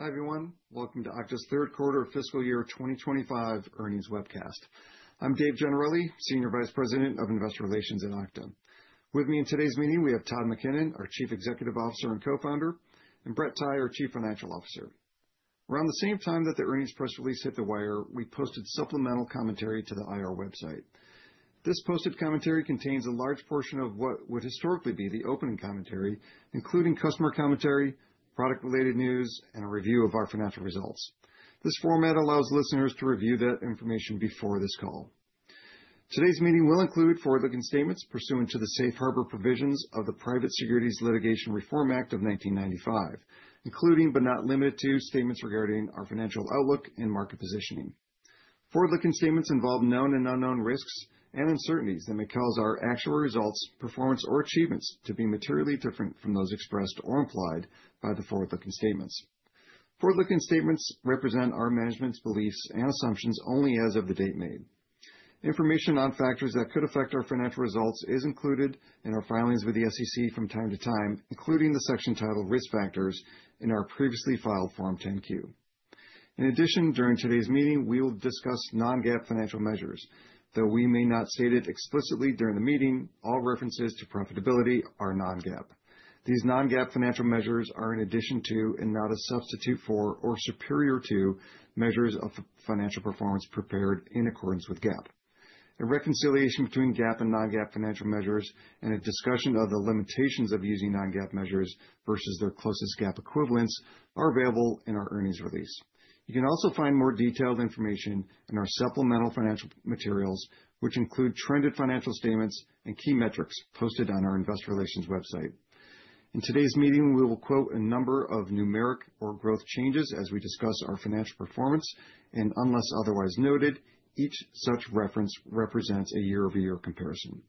Hi everyone, welcome to Okta's third quarter of fiscal year 2025 earnings webcast. I'm David Gennarelli, Senior Vice President of Investor Relations at Okta. With me in today's meeting, we have Todd McKinnon, our Chief Executive Officer and Co-founder, and Brett Tighe, our Chief Financial Officer. Around the same time that the earnings press release hit the wire, we posted supplemental commentary to the IR website. This posted commentary contains a large portion of what would historically be the opening commentary, including customer commentary, product-related news, and a review of our financial results. This format allows listeners to review that information before this call. Today's meeting will include forward-looking statements pursuant to the safe harbor provisions of the Private Securities Litigation Reform Act of 1995, including but not limited to statements regarding our financial outlook and market positioning. Forward-looking statements involve known and unknown risks and uncertainties that may cause our actual results, performance, or achievements to be materially different from those expressed or implied by the forward-looking statements. Forward-looking statements represent our management's beliefs and assumptions only as of the date made. Information on factors that could affect our financial results is included in our filings with the SEC from time to time, including the section titled Risk Factors in our previously filed Form 10-Q. In addition, during today's meeting, we will discuss non-GAAP financial measures. Though we may not state it explicitly during the meeting, all references to profitability are non-GAAP. These non-GAAP financial measures are in addition to and not a substitute for or superior to measures of financial performance prepared in accordance with GAAP. A reconciliation between GAAP and non-GAAP financial measures and a discussion of the limitations of using non-GAAP measures versus their closest GAAP equivalents are available in our earnings release. You can also find more detailed information in our supplemental financial materials, which include trended financial statements and key metrics posted on our Investor Relations website. In today's meeting, we will quote a number of numeric or growth changes as we discuss our financial performance, and unless otherwise noted, each such reference represents a year-over-year comparison.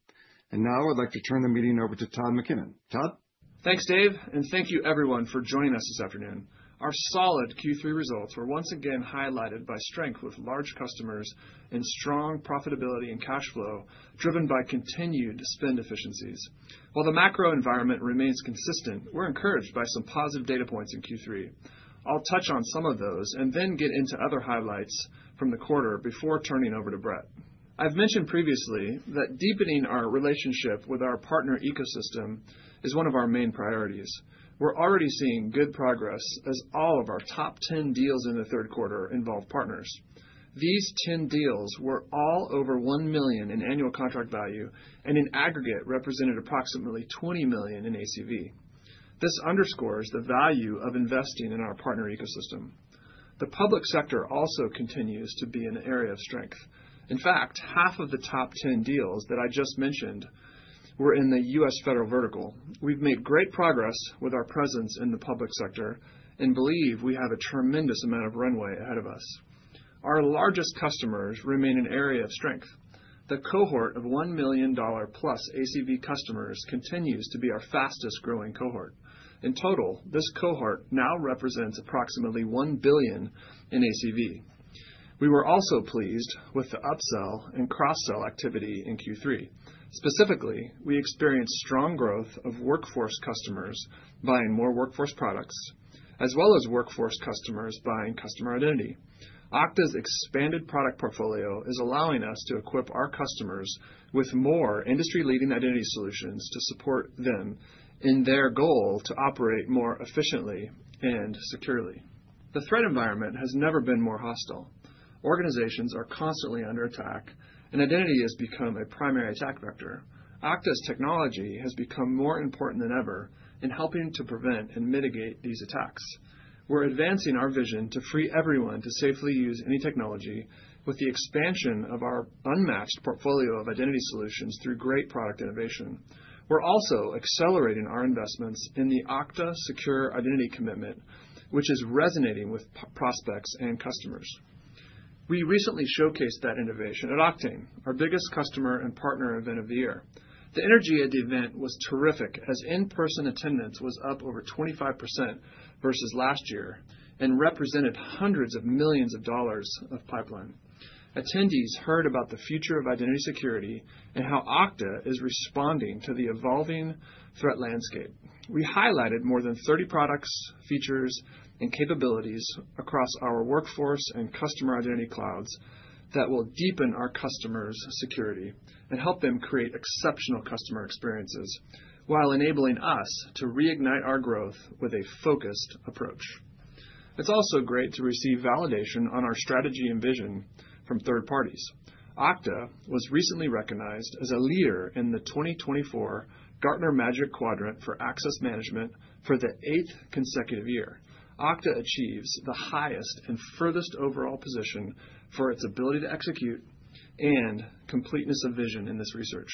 And now I'd like to turn the meeting over to Todd McKinnon. Todd. Thanks, Dave, and thank you everyone for joining us this afternoon. Our solid Q3 results were once again highlighted by strength with large customers and strong profitability and cash flow driven by continued spend efficiencies. While the macro environment remains consistent, we're encouraged by some positive data points in Q3. I'll touch on some of those and then get into other highlights from the quarter before turning over to Brett. I've mentioned previously that deepening our relationship with our partner ecosystem is one of our main priorities. We're already seeing good progress as all of our top 10 deals in the third quarter involve partners. These 10 deals were all over one million in annual contract value and in aggregate represented approximately 20 million in ACV. This underscores the value of investing in our partner ecosystem. The public sector also continues to be an area of strength. In fact, half of the top 10 deals that I just mentioned were in the U.S. federal vertical. We've made great progress with our presence in the public sector and believe we have a tremendous amount of runway ahead of us. Our largest customers remain an area of strength. The cohort of $1 million plus ACV customers continues to be our fastest growing cohort. In total, this cohort now represents approximately $1 billion in ACV. We were also pleased with the upsell and cross-sell activity in Q3. Specifically, we experienced strong growth of workforce customers buying more workforce products, as well as workforce customers buying customer identity. Okta's expanded product portfolio is allowing us to equip our customers with more industry-leading identity solutions to support them in their goal to operate more efficiently and securely. The threat environment has never been more hostile. Organizations are constantly under attack, and identity has become a primary attack vector. Okta's technology has become more important than ever in helping to prevent and mitigate these attacks. We're advancing our vision to free everyone to safely use any technology with the expansion of our unmatched portfolio of identity solutions through great product innovation. We're also accelerating our investments in the Okta Secure Identity Commitment, which is resonating with prospects and customers. We recently showcased that innovation at Oktane, our biggest customer and partner event of the year. The energy at the event was terrific as in-person attendance was up over 25% versus last year and represented hundreds of millions of dollars of pipeline. Attendees heard about the future of identity security and how Okta is responding to the evolving threat landscape. We highlighted more than 30 products, features, and capabilities across our Workforce Identity Cloud and Customer Identity Cloud that will deepen our customers' security and help them create exceptional customer experiences while enabling us to reignite our growth with a focused approach. It's also great to receive validation on our strategy and vision from third parties. Okta was recently recognized as a leader in the 2024 Gartner Magic Quadrant for Access Management for the eighth consecutive year. Okta achieves the highest and furthest overall position for its ability to execute and completeness of vision in this research.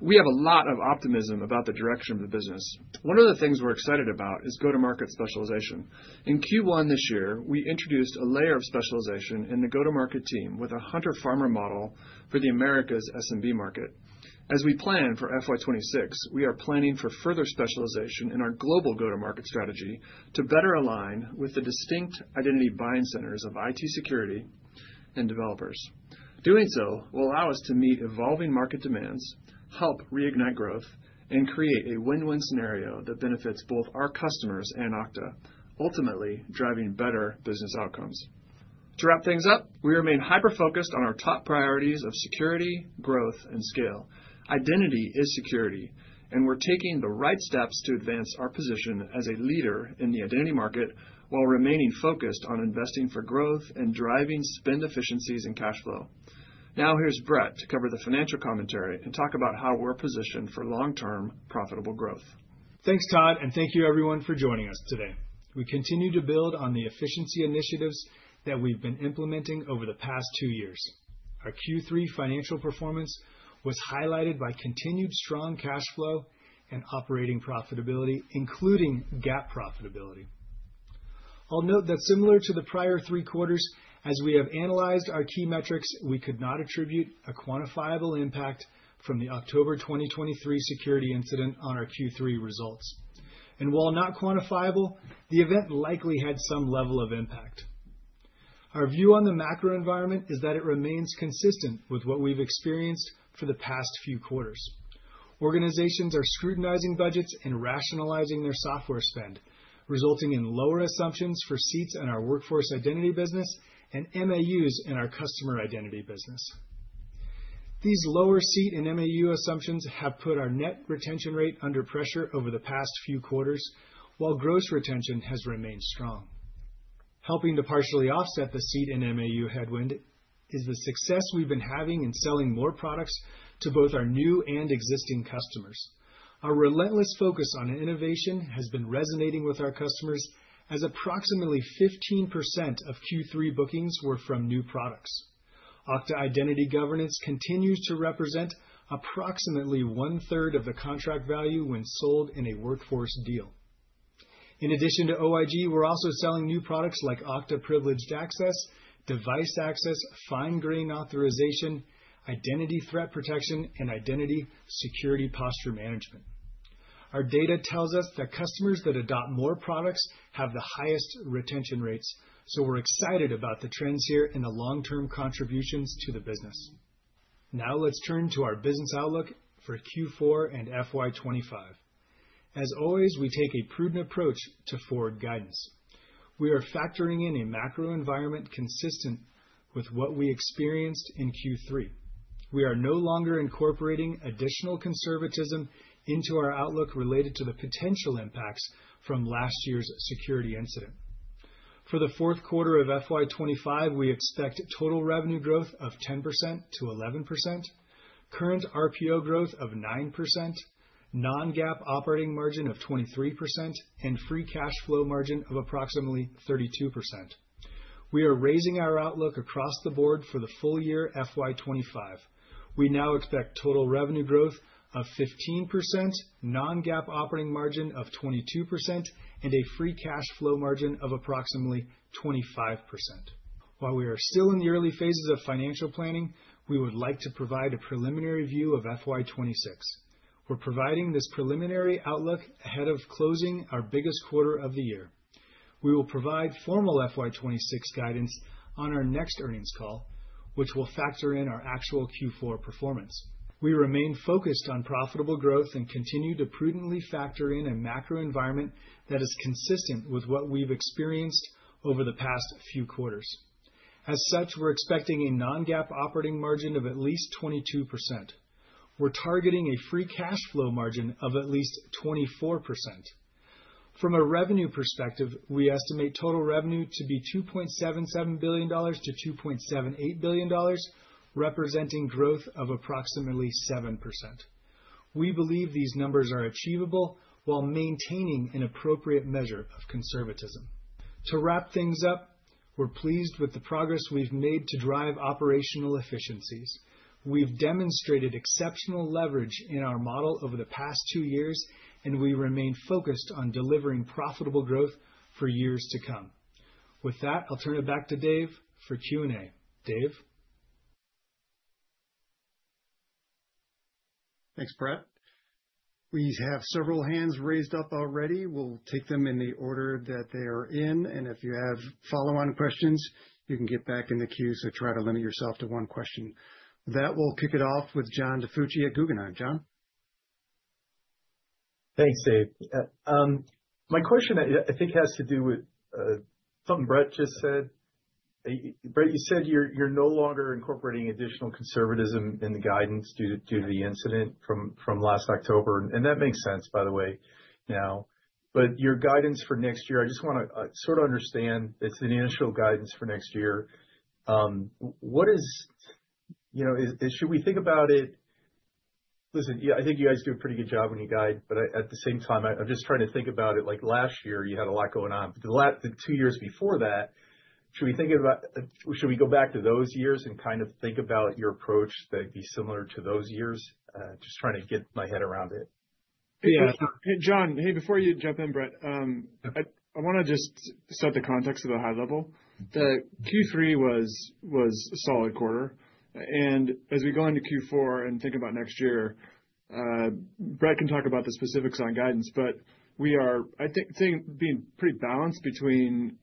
We have a lot of optimism about the direction of the business. One of the things we're excited about is go-to-market specialization. In Q1 this year, we introduced a layer of specialization in the go-to-market team with a hunter-farmer model for the Americas SMB market. As we plan for FY 2026, we are planning for further specialization in our global go-to-market strategy to better align with the distinct identity buying centers of IT security and developers. Doing so will allow us to meet evolving market demands, help reignite growth, and create a win-win scenario that benefits both our customers and Okta, ultimately driving better business outcomes. To wrap things up, we remain hyper-focused on our top priorities of security, growth, and scale. Identity is security, and we're taking the right steps to advance our position as a leader in the identity market while remaining focused on investing for growth and driving spend efficiencies and cash flow. Now here's Brett to cover the financial commentary and talk about how we're positioned for long-term profitable growth. Thanks, Todd, and thank you everyone for joining us today. We continue to build on the efficiency initiatives that we've been implementing over the past two years. Our Q3 financial performance was highlighted by continued strong cash flow and operating profitability, including GAAP profitability. I'll note that similar to the prior three quarters, as we have analyzed our key metrics, we could not attribute a quantifiable impact from the October 2023 security incident on our Q3 results, and while not quantifiable, the event likely had some level of impact. Our view on the macro environment is that it remains consistent with what we've experienced for the past few quarters. Organizations are scrutinizing budgets and rationalizing their software spend, resulting in lower assumptions for seats in our workforce identity business and MAUs in our customer identity business. These lower seat and MAU assumptions have put our net retention rate under pressure over the past few quarters, while gross retention has remained strong. Helping to partially offset the seat and MAU headwind is the success we've been having in selling more products to both our new and existing customers. Our relentless focus on innovation has been resonating with our customers as approximately 15% of Q3 bookings were from new products. Okta Identity Governance continues to represent approximately one-third of the contract value when sold in a workforce deal. In addition to OIG, we're also selling new products like Okta Privileged Access, Device Access, Fine Grained Authorization, Identity Threat Protection, and Identity Security Posture Management. Our data tells us that customers that adopt more products have the highest retention rates, so we're excited about the trends here and the long-term contributions to the business. Now let's turn to our business outlook for Q4 and FY 2025. As always, we take a prudent approach to forward guidance. We are factoring in a macro environment consistent with what we experienced in Q3. We are no longer incorporating additional conservatism into our outlook related to the potential impacts from last year's security incident. For the fourth quarter of FY 2025, we expect total revenue growth of 10% to 11%, current RPO growth of 9%, non-GAAP operating margin of 23%, and free cash flow margin of approximately 32%. We are raising our outlook across the board for the full year FY 2025. We now expect total revenue growth of 15%, non-GAAP operating margin of 22%, and a free cash flow margin of approximately 25%. While we are still in the early phases of financial planning, we would like to provide a preliminary view of FY 2026. We're providing this preliminary outlook ahead of closing our biggest quarter of the year. We will provide formal FY 2026 guidance on our next earnings call, which will factor in our actual Q4 performance. We remain focused on profitable growth and continue to prudently factor in a macro environment that is consistent with what we've experienced over the past few quarters. As such, we're expecting a non-GAAP operating margin of at least 22%. We're targeting a free cash flow margin of at least 24%. From a revenue perspective, we estimate total revenue to be $2.77 billion to $2.78 billion, representing growth of approximately 7%. We believe these numbers are achievable while maintaining an appropriate measure of conservatism. To wrap things up, we're pleased with the progress we've made to drive operational efficiencies. We've demonstrated exceptional leverage in our model over the past two years, and we remain focused on delivering profitable growth for years to come. With that, I'll turn it back to Dave for Q&A. Dave. Thanks, Brett. We have several hands raised up already. We'll take them in the order that they are in. And if you have follow-on questions, you can get back in the queue, so try to limit yourself to one question. That will kick it off with John DiFucci at Guggenheim. John. Thanks, Dave. My question, I think, has to do with something Brett just said. Brett, you said you're no longer incorporating additional conservatism in the guidance due to the incident from last October. And that makes sense, by the way, now. But your guidance for next year, I just want to sort of understand. It's the initial guidance for next year. What is, you know, should we think about it? Listen, I think you guys do a pretty good job when you guide, but at the same time, I'm just trying to think about it. Like last year, you had a lot going on. The two years before that, should we think about, should we go back to those years and kind of think about your approach that would be similar to those years? Just trying to get my head around it. Yeah, John, hey, before you jump in, Brett, I want to just set the context at a high level. The Q3 was a solid quarter. And as we go into Q4 and think about next year, Brett can talk about the specifics on guidance, but we are, I think, being pretty balanced between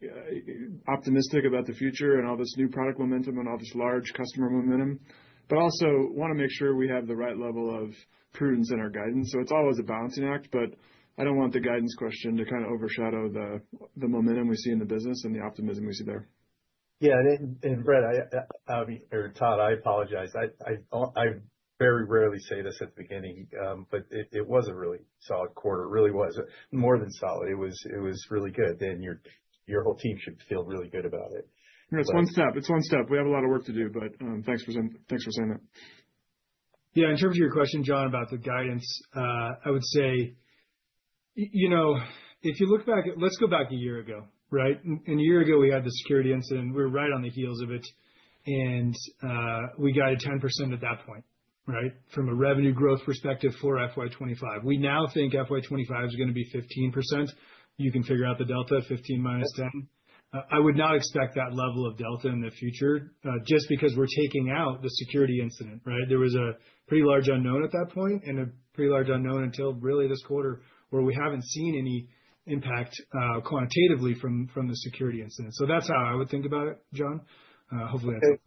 optimistic about the future and all this new product momentum and all this large customer momentum, but also want to make sure we have the right level of prudence in our guidance. So it's always a balancing act, but I don't want the guidance question to kind of overshadow the momentum we see in the business and the optimism we see there. Yeah, and Brett, or Todd, I apologize. I very rarely say this at the beginning, but it was a really solid quarter. It really was more than solid. It was really good, and your whole team should feel really good about it. It's one step. It's one step. We have a lot of work to do, but thanks for saying that. Yeah, in terms of your question, John, about the guidance, I would say, you know, if you look back, let's go back a year ago, right? And a year ago, we had the security incident. We were right on the heels of it. And we guided 10% at that point, right, from a revenue growth perspective for FY 2025. We now think FY 2025 is going to be 15%. You can figure out the delta, 15 - 10. I would not expect that level of delta in the future just because we're taking out the security incident, right? There was a pretty large unknown at that point and a pretty large unknown until really this quarter where we haven't seen any impact quantitatively from the security incident. So that's how I would think about it, John. Hopefully that's it.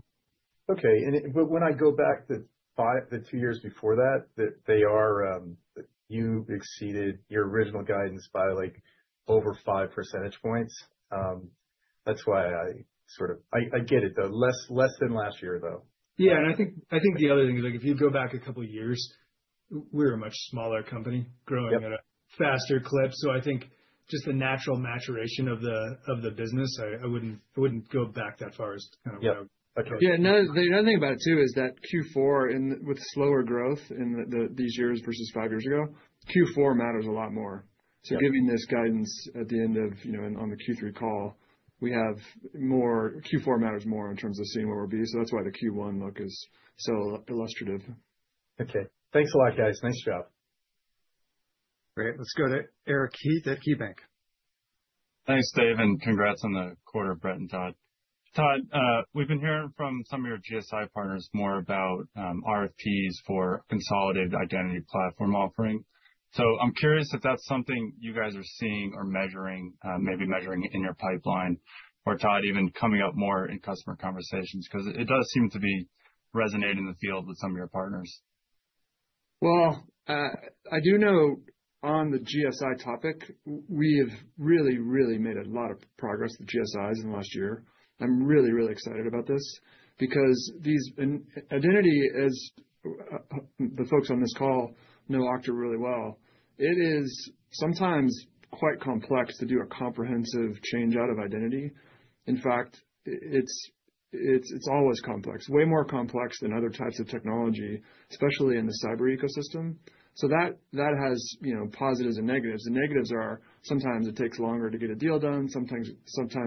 Okay, but when I go back to the two years before that, that you exceeded your original guidance by like over five percentage points. That's why I sort of, I get it, though, less than last year, though. Yeah. And I think the other thing is, like, if you go back a couple of years, we're a much smaller company growing at a faster clip. So I think just the natural maturation of the business. I wouldn't go back that far, as kind of. Yeah. The other thing about it too is that Q4, with slower growth in these years versus five years ago, Q4 matters a lot more. So giving this guidance at the end of, you know, on the Q3 call, we have more, Q4 matters more in terms of seeing where we'll be. So that's why the Q1 look is so illustrative. Okay. Thanks a lot, guys. Nice job. Great. Let's go to Eric Heath at KeyBanc Capital Markets. Thanks, Dave. And congrats on the quarter, Brett and Todd. Todd, we've been hearing from some of your GSI partners more about RFPs for consolidated identity platform offering. So I'm curious if that's something you guys are seeing or maybe measuring in your pipeline or Todd even coming up more in customer conversations because it does seem to be resonating in the field with some of your partners. I do know on the GSI topic, we have really, really made a lot of progress with GSIs in the last year. I'm really, really excited about this because identity, as the folks on this call know Okta really well, it is sometimes quite complex to do a comprehensive change out of identity. In fact, it's always complex, way more complex than other types of technology, especially in the cyber ecosystem. So that has positives and negatives. The negatives are sometimes it takes longer to get a deal done. Sometimes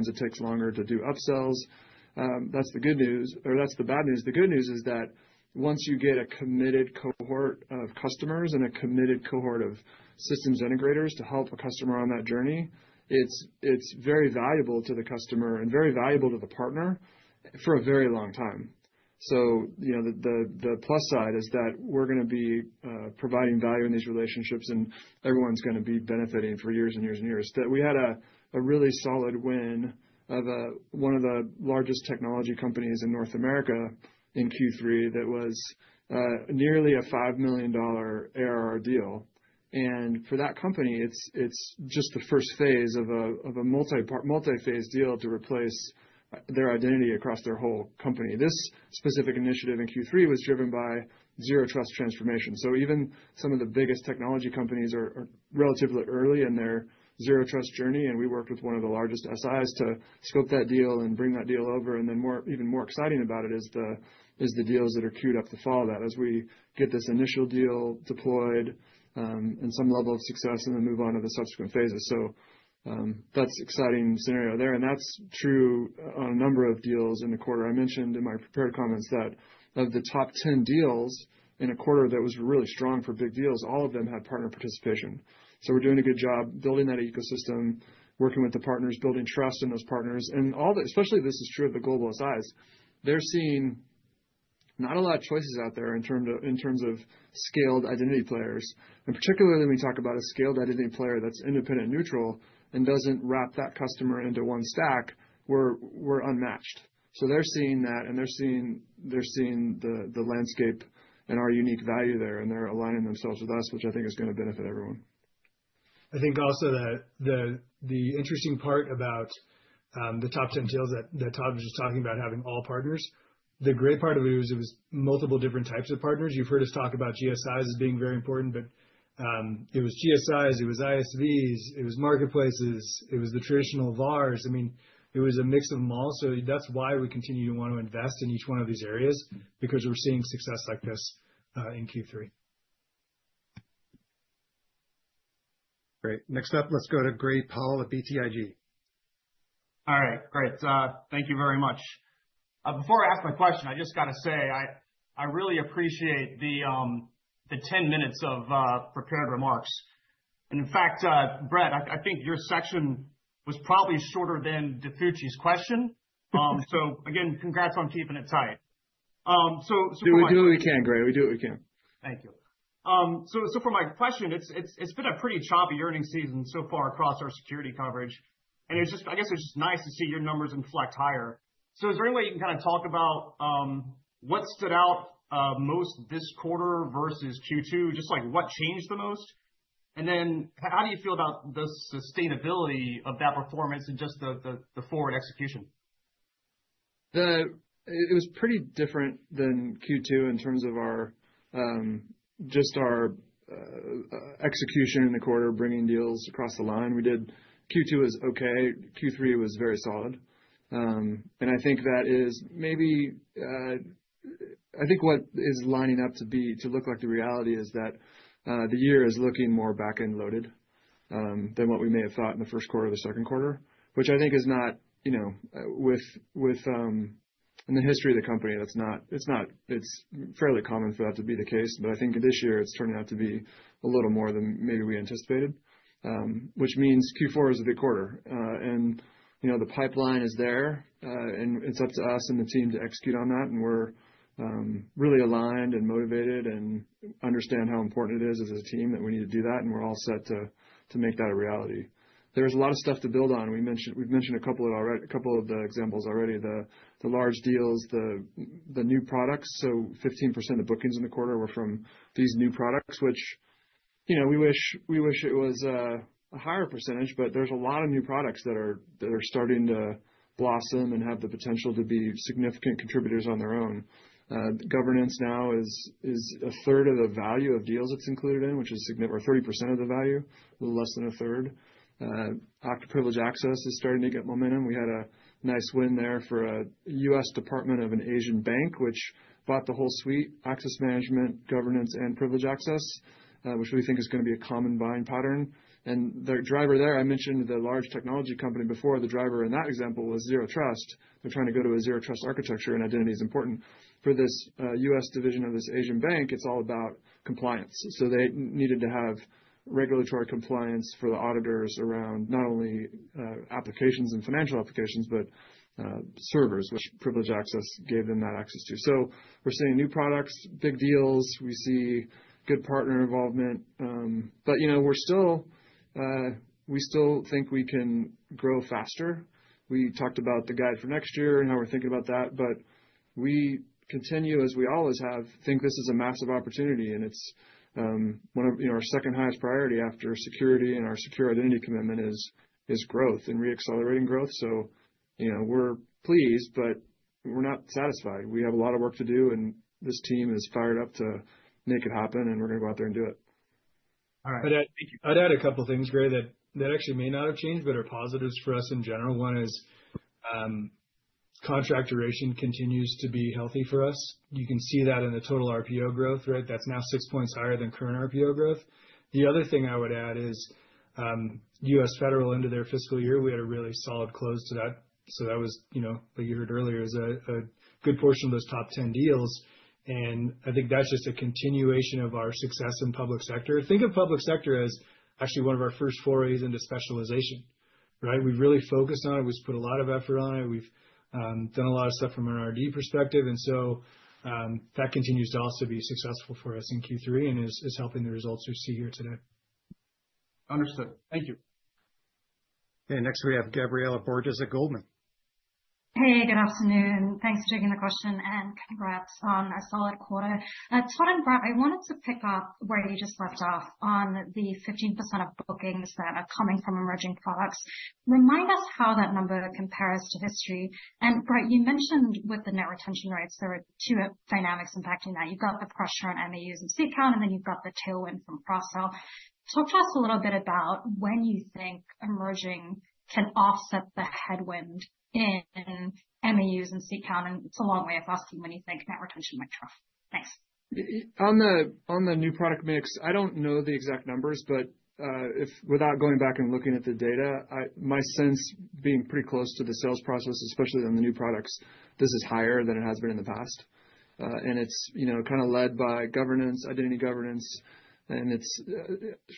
it takes longer to do upsells. That's the good news, or that's the bad news. The good news is that once you get a committed cohort of customers and a committed cohort of systems integrators to help a customer on that journey, it's very valuable to the customer and very valuable to the partner for a very long time. So, you know, the plus side is that we're going to be providing value in these relationships and everyone's going to be benefiting for years and years and years. We had a really solid win of one of the largest technology companies in North America in Q3 that was nearly a $5 million ARR deal. And for that company, it's just the first phase of a multi-phase deal to replace their identity across their whole company. This specific initiative in Q3 was driven by Zero Trust transformation. So even some of the biggest technology companies are relatively early in their Zero Trust journey. And we worked with one of the largest SIs to scope that deal and bring that deal over. Then even more exciting about it is the deals that are queued up to follow that as we get this initial deal deployed and some level of success and then move on to the subsequent phases. So that's an exciting scenario there. And that's true on a number of deals in the quarter. I mentioned in my prepared comments that of the top 10 deals in a quarter that was really strong for big deals, all of them had partner participation. So we're doing a good job building that ecosystem, working with the partners, building trust in those partners. And especially this is true of the global SIs. They're seeing not a lot of choices out there in terms of scaled identity players. And particularly when we talk about a scaled identity player that's independent, neutral, and doesn't wrap that customer into one stack, we're unmatched. So they're seeing that and they're seeing the landscape and our unique value there. And they're aligning themselves with us, which I think is going to benefit everyone. I think also the interesting part about the top 10 deals that Todd was just talking about, having all partners, the great part of it was it was multiple different types of partners. You've heard us talk about GSIs as being very important, but it was GSIs, it was ISVs, it was marketplaces, it was the traditional VARs. I mean, it was a mix of them all. So that's why we continue to want to invest in each one of these areas because we're seeing success like this in Q3. Great. Next up, let's go to Gray Powell at BTIG. All right. Great. Thank you very much. Before I ask my question, I just got to say I really appreciate the 10 minutes of prepared remarks. And in fact, Brett, I think your section was probably shorter than DiFucci's question. So again, congrats on keeping it tight. So do what we can, Gray. We do what we can. Thank you. So for my question, it's been a pretty choppy earnings season so far across our security coverage. And I guess it's just nice to see your numbers inflect higher. So is there any way you can kind of talk about what stood out most this quarter versus Q2, just like what changed the most? And then how do you feel about the sustainability of that performance and just the forward execution? It was pretty different than Q2 in terms of just our execution in the quarter, bringing deals across the line. Q2 was okay. Q3 was very solid, and I think that is maybe I think what is lining up to look like the reality is that the year is looking more back-end loaded than what we may have thought in the first quarter or the second quarter, which I think is not, you know, within the history of the company. It's fairly common for that to be the case, but I think this year it's turning out to be a little more than maybe we anticipated, which means Q4 is a big quarter, and you know, the pipeline is there, and it's up to us and the team to execute on that. We're really aligned and motivated and understand how important it is as a team that we need to do that. We're all set to make that a reality. There's a lot of stuff to build on. We've mentioned a couple of the examples already, the large deals, the new products. 15% of bookings in the quarter were from these new products, which, you know, we wish it was a higher percentage, but there's a lot of new products that are starting to blossom and have the potential to be significant contributors on their own. Governance now is a third of the value of deals it's included in, which is significant, or 30% of the value, less than a third. Okta Privileged Access is starting to get momentum. We had a nice win there for a U.S. Department of an Asian bank, which bought the whole suite, access management, Governance, and Privileged Access, which we think is going to be a common buying pattern. And the driver there, I mentioned the large technology company before, the driver in that example was Zero Trust. They're trying to go to a Zero Trust architecture, and identity is important. For this U.S. division of this Asian bank, it's all about compliance. So they needed to have regulatory compliance for the auditors around not only applications and financial applications, but servers, which Privileged Access gave them that access to. So we're seeing new products, big deals. We see good partner involvement. But you know, we still think we can grow faster. We talked about the guidance for next year and how we're thinking about that. But we continue, as we always have, think this is a massive opportunity. It's our second highest priority after security and our Secure Identity Commitment is growth and re-accelerating growth. So you know, we're pleased, but we're not satisfied. We have a lot of work to do. This team is fired up to make it happen. We're going to go out there and do it. All right. I'd add a couple of things, Gray, that actually may not have changed, but are positives for us in general. One is contract duration continues to be healthy for us. You can see that in the total RPO growth, right? That's now six points higher than current RPO growth. The other thing I would add is U.S. Federal into their fiscal year. We had a really solid close to that. So that was, you know, like you heard earlier, is a good portion of those top 10 deals. And I think that's just a continuation of our success in public sector. Think of public sector as actually one of our first forays into specialization, right? We've really focused on it. We've put a lot of effort on it. We've done a lot of stuff from an R&D perspective. And so that continues to also be successful for us in Q3 and is helping the results we see here today. Understood. Thank you. Okay. Next, we have Gabriela Borges at Goldman. Hey, good afternoon. Thanks for taking the question and congrats on a solid quarter. Todd and Brett, I wanted to pick up where you just left off on the 15% of bookings that are coming from emerging products. Remind us how that number compares to history. And Brett, you mentioned with the net retention rates, there are two dynamics impacting that. You've got the pressure on MAUs and seat count, and then you've got the tailwind from cross-sell. Talk to us a little bit about when you think emerging can offset the headwind in MAUs and seat count, and it's a long way of asking when you think net retention might drop. Thanks. On the new product mix, I don't know the exact numbers, but without going back and looking at the data, my sense, being pretty close to the sales process, especially on the new products, this is higher than it has been in the past. And it's, you know, kind of led by Governance, Identity Governance. And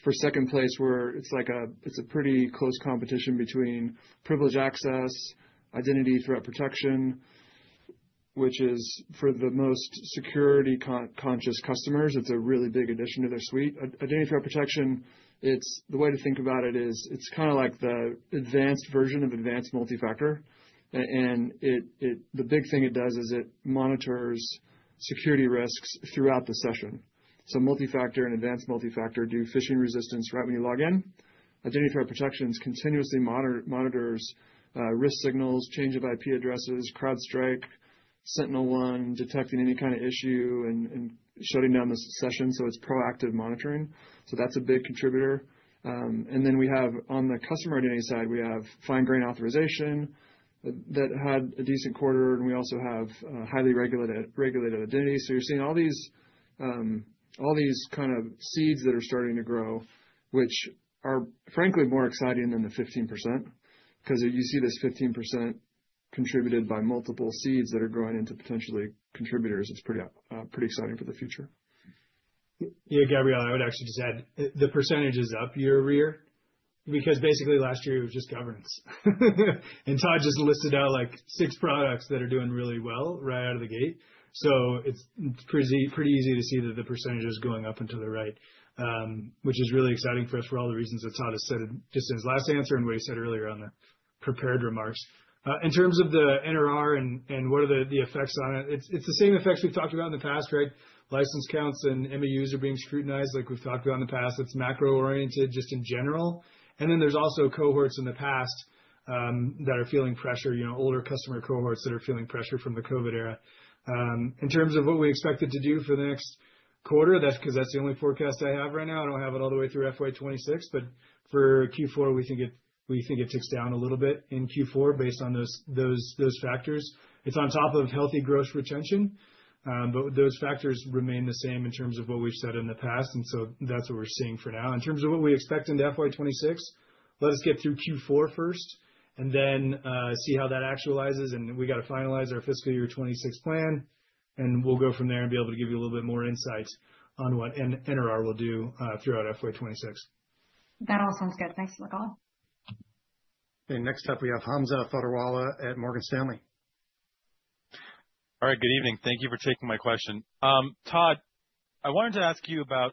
for second place, where it's like a pretty close competition between Privileged Access, Identity Threat Protection, which is for the most security-conscious customers, it's a really big addition to their suite. Identity Threat Protection, the way to think about it is it's kind of like the advanced version of adaptive multi-factor. And the big thing it does is it monitors security risks throughout the session. So multi-factor and adaptive multi-factor do phishing resistance right when you log in. Identity Threat Protection continuously monitors risk signals, change of IP addresses, CrowdStrike, SentinelOne, detecting any kind of issue and shutting down the session. So it's proactive monitoring. So that's a big contributor. And then we have on the customer identity side, we have fine-grained authorization that had a decent quarter. And we also have Highly Regulated Identity. So you're seeing all these kind of seeds that are starting to grow, which are frankly more exciting than the 15% because you see this 15% contributed by multiple seeds that are growing into potentially contributors. It's pretty exciting for the future. Yeah, Gabriella, I would actually just add the percentage is up year over year because basically last year it was just Governance. And Todd just listed out like six products that are doing really well right out of the gate. So it's pretty easy to see that the percentage is going up and to the right, which is really exciting for us for all the reasons that Todd has said just in his last answer and what he said earlier on the prepared remarks. In terms of the NRR and what are the effects on it, it's the same effects we've talked about in the past, right? License counts and MAUs are being scrutinized like we've talked about in the past. It's macro-oriented just in general. And then there's also cohorts in the past that are feeling pressure, you know, older customer cohorts that are feeling pressure from the COVID era. In terms of what we expect it to do for the next quarter, that's because that's the only forecast I have right now. I don't have it all the way through FY 2026. But for Q4, we think it ticks down a little bit in Q4 based on those factors. It's on top of healthy gross retention. But those factors remain the same in terms of what we've said in the past. And so that's what we're seeing for now. In terms of what we expect in FY 2026, let us get through Q4 first and then see how that actualizes. And we got to finalize our fiscal year 26 plan. We'll go from there and be able to give you a little bit more insight on what NRR will do throughout FY 2026. That all sounds good. Thanks for the call. Okay. Next up, we have Hamza Fodderwala at Morgan Stanley. All right. Good evening. Thank you for taking my question. Todd, I wanted to ask you about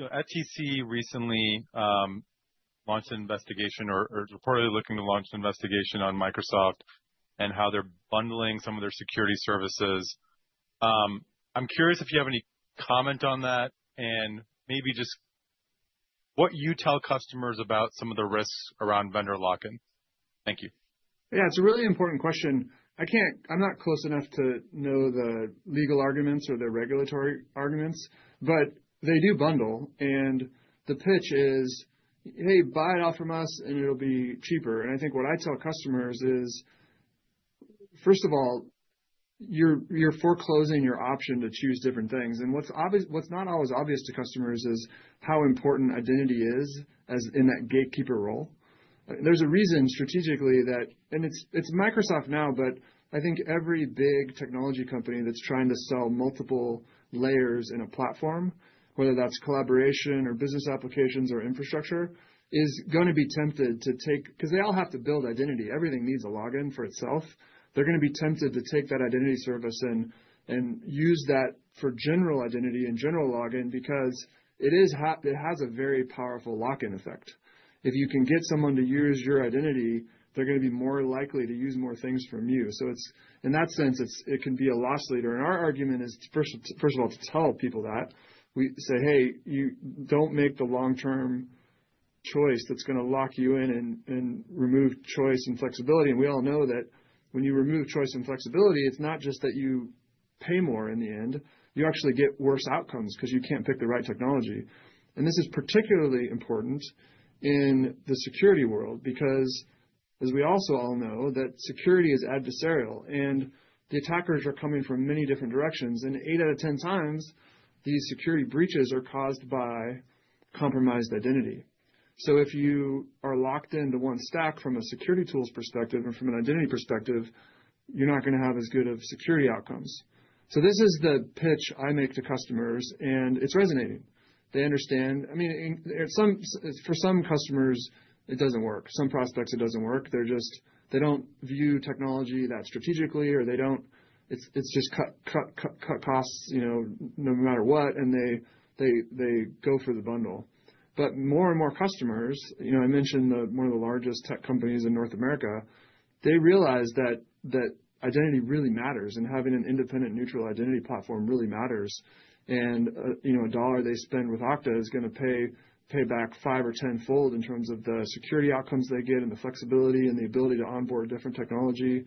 FTC recently launched an investigation or is reportedly looking to launch an investigation on Microsoft and how they're bundling some of their security services. I'm curious if you have any comment on that and maybe just what you tell customers about some of the risks around vendor lock-in. Thank you. Yeah, it's a really important question. I'm not close enough to know the legal arguments or the regulatory arguments, but they do bundle. And the pitch is, hey, buy it off from us and it'll be cheaper. And I think what I tell customers is, first of all, you're foreclosing your option to choose different things. And what's not always obvious to customers is how important identity is in that gatekeeper role. There's a reason strategically that, and it's Microsoft now, but I think every big technology company that's trying to sell multiple layers in a platform, whether that's collaboration or business applications or infrastructure, is going to be tempted to take because they all have to build identity. Everything needs a login for itself. They're going to be tempted to take that identity service and use that for general identity and general login because it has a very powerful lock-in effect. If you can get someone to use your identity, they're going to be more likely to use more things from you. So in that sense, it can be a loss leader. And our argument is, first of all, to tell people that. We say, hey, don't make the long-term choice that's going to lock you in and remove choice and flexibility. And we all know that when you remove choice and flexibility, it's not just that you pay more in the end. You actually get worse outcomes because you can't pick the right technology. And this is particularly important in the security world because, as we also all know, that security is adversarial. And the attackers are coming from many different directions. Eight out of ten times, these security breaches are caused by compromised identity. So if you are locked into one stack from a security tools perspective and from an identity perspective, you're not going to have as good of security outcomes. So this is the pitch I make to customers. And it's resonating. They understand. I mean, for some customers, it doesn't work. Some prospects, it doesn't work. They don't view technology that strategically, or they don't, it's just cut costs, you know, no matter what. And they go for the bundle. But more and more customers, you know, I mentioned one of the largest tech companies in North America, they realize that identity really matters. And having an independent, neutral identity platform really matters. You know, a dollar they spend with Okta is going to pay back five or tenfold in terms of the security outcomes they get and the flexibility and the ability to onboard different technology.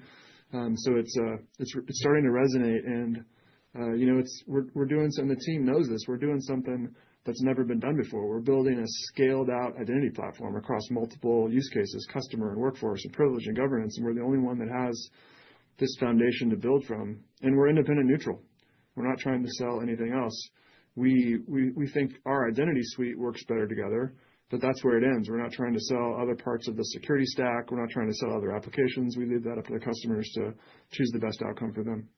So it's starting to resonate. You know, we're doing something, the team knows this, we're doing something that's never been done before. We're building a scaled-out identity platform across multiple use cases: customer and workforce and privilege and Governance. We're the only one that has this foundation to build from. We're independent, neutral. We're not trying to sell anything else. We think our identity suite works better together. But that's where it ends. We're not trying to sell other parts of the security stack. We're not trying to sell other applications. We leave that up to the customers to choose the best outcome for them.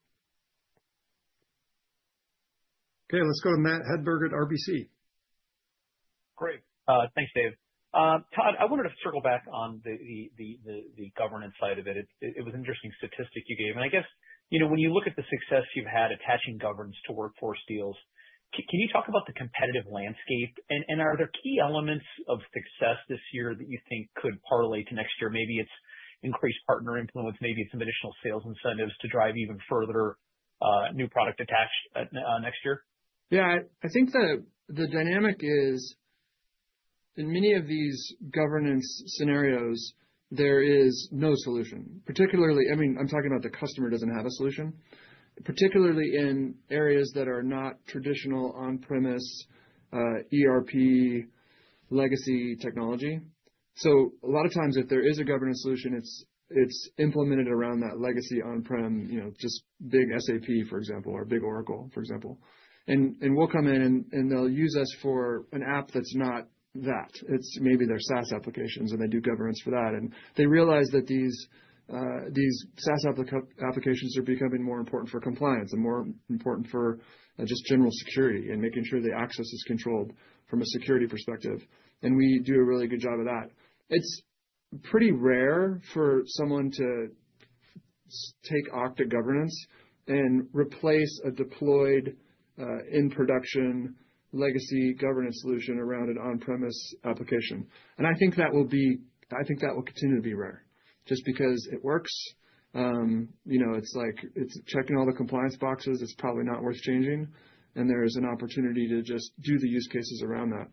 Okay. Let's go to Matthew Hedberg at RBC. Great. Thanks, Dave. Todd, I wanted to circle back on the Governance side of it. It was an interesting statistic you gave. And I guess, you know, when you look at the success you've had attaching Governance to workforce deals, can you talk about the competitive landscape? And are there key elements of success this year that you think could parlay to next year? Maybe it's increased partner influence, maybe it's some additional sales incentives to drive even further new product attached next year? Yeah. I think the dynamic is, in many of these Governance scenarios, there is no solution. I mean, I'm talking about the customer doesn't have a solution, particularly in areas that are not traditional on-premise ERP legacy technology. So a lot of times, if there is a Governance solution, it's implemented around that legacy on-prem, you know, just big SAP, for example, or big Oracle, for example. And we'll come in, and they'll use us for an app that's not that. It's maybe their SaaS applications, and they do Governance for that. And they realize that these SaaS applications are becoming more important for compliance and more important for just general security and making sure the access is controlled from a security perspective. And we do a really good job of that. It's pretty rare for someone to take Okta Governance and replace a deployed in-production legacy Governance solution around an on-premise application. I think that will continue to be rare just because it works. You know, it's like checking all the compliance boxes. It's probably not worth changing. And there is an opportunity to just do the use cases around that.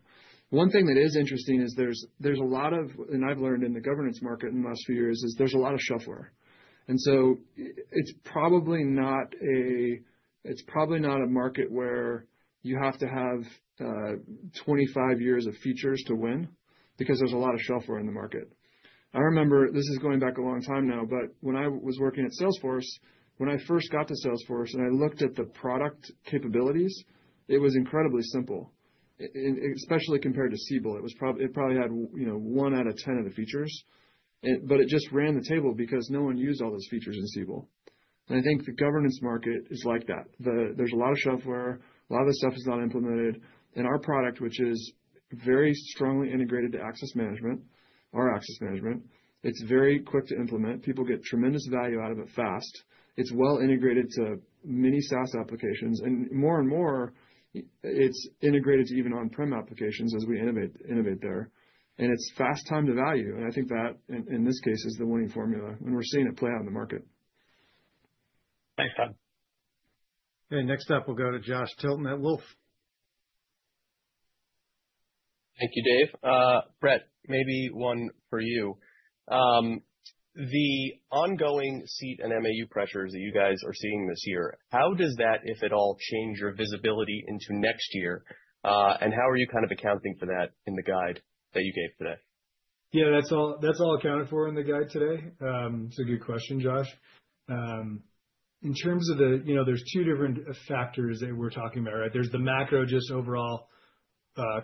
One thing that is interesting, and I've learned in the Governance market in the last few years, is there's a lot of churn. And so it's probably not a market where you have to have 25 years of features to win because there's a lot of churn in the market. I remember, this is going back a long time now, but when I was working at Salesforce, when I first got to Salesforce and I looked at the product capabilities, it was incredibly simple, especially compared to Siebel. It probably had, you know, 1/10 of the features. But it just ran the table because no one used all those features in Siebel. And I think the Governance market is like that. There's a lot of shelfware. A lot of this stuff is not implemented. And our product, which is very strongly integrated to access management, our access management, it's very quick to implement. People get tremendous value out of it fast. It's well integrated to many SaaS applications. And more and more, it's integrated to even on-prem applications as we innovate there. And it's fast time to value. I think that, in this case, is the winning formula when we're seeing it play out in the market. Thanks, Todd. Okay. Next up, we'll go to Joshua Tilton at Wolfe. Thank you, Dave. Brett, maybe one for you. The ongoing seat and MAU pressures that you guys are seeing this year, how does that, if at all, change your visibility into next year? And how are you kind of accounting for that in the guide that you gave today? Yeah, that's all accounted for in the guide today. It's a good question, Josh. In terms of the, you know, there's two different factors that we're talking about, right? There's the macro just overall.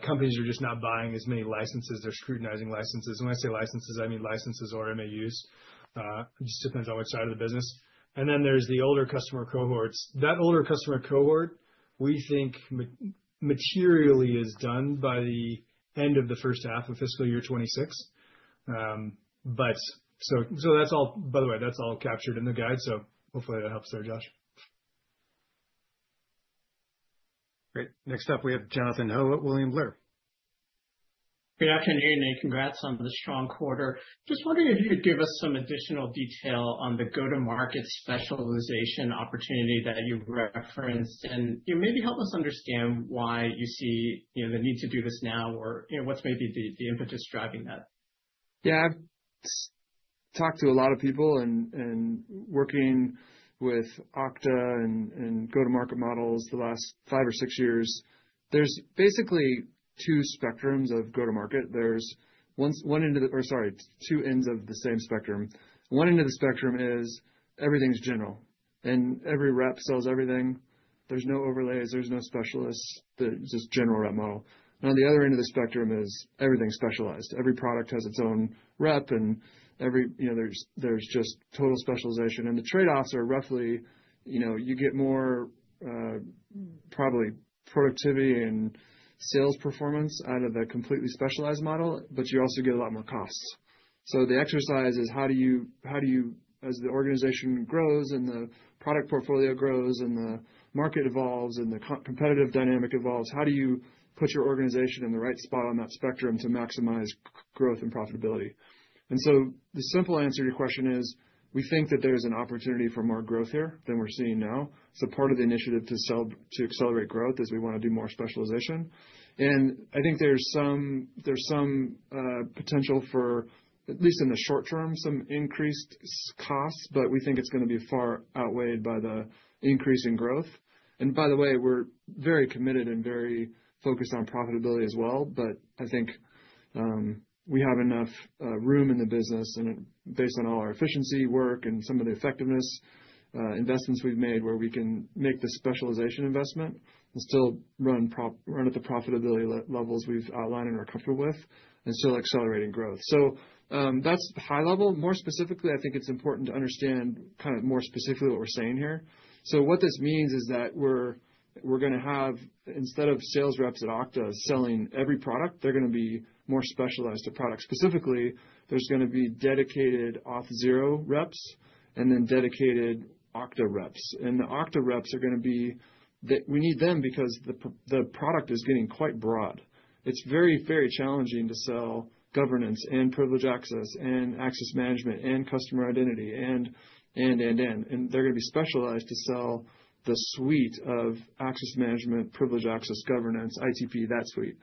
Companies are just not buying as many licenses. They're scrutinizing licenses. And when I say licenses, I mean licenses or MAUs. It just depends on which side of the business. And then there's the older customer cohorts. That older customer cohort, we think materially is done by the end of the first half of fiscal year 2026. But so that's all, by the way, that's all captured in the guide. So hopefully that helps there, Josh. Great. Next up, we have Jonathan Ho at William Blair. Good afternoon and congrats on the strong quarter. Just wondering if you could give us some additional detail on the go-to-market specialization opportunity that you referenced and maybe help us understand why you see the need to do this now or what's maybe the impetus driving that? Yeah. I've talked to a lot of people and working with Okta and go-to-market models the last five or six years. There's basically two spectrums of go-to-market. There's one end of the, or sorry, two ends of the same spectrum. One end of the spectrum is everything's general. And every rep sells everything. There's no overlays. There's no specialists. Just general rep model. And on the other end of the spectrum is everything's specialized. Every product has its own rep. And there's just total specialization. And the trade-offs are roughly, you know, you get more probably productivity and sales performance out of the completely specialized model, but you also get a lot more costs. So the exercise is how do you, as the organization grows and the product portfolio grows and the market evolves and the competitive dynamic evolves, how do you put your organization in the right spot on that spectrum to maximize growth and profitability? And so the simple answer to your question is we think that there's an opportunity for more growth here than we're seeing now. It's a part of the initiative to accelerate growth as we want to do more specialization. And I think there's some potential for, at least in the short term, some increased costs, but we think it's going to be far outweighed by the increase in growth. And by the way, we're very committed and very focused on profitability as well. But I think we have enough room in the business based on all our efficiency work and some of the effectiveness investments we've made where we can make the specialization investment and still run at the profitability levels we've outlined and are comfortable with and still accelerating growth. So that's high level. More specifically, I think it's important to understand kind of more specifically what we're saying here. So what this means is that we're going to have, instead of sales reps at Okta selling every product, they're going to be more specialized to product. Specifically, there's going to be dedicated Auth0 reps and then dedicated Okta reps. And the Okta reps are going to be that we need them because the product is getting quite broad. It's very, very challenging to sell Governance and Privileged Access and access management and customer identity and, and, and, and. And they're going to be specialized to sell the suite of access management, Privileged Access, Governance, ITP, that suite.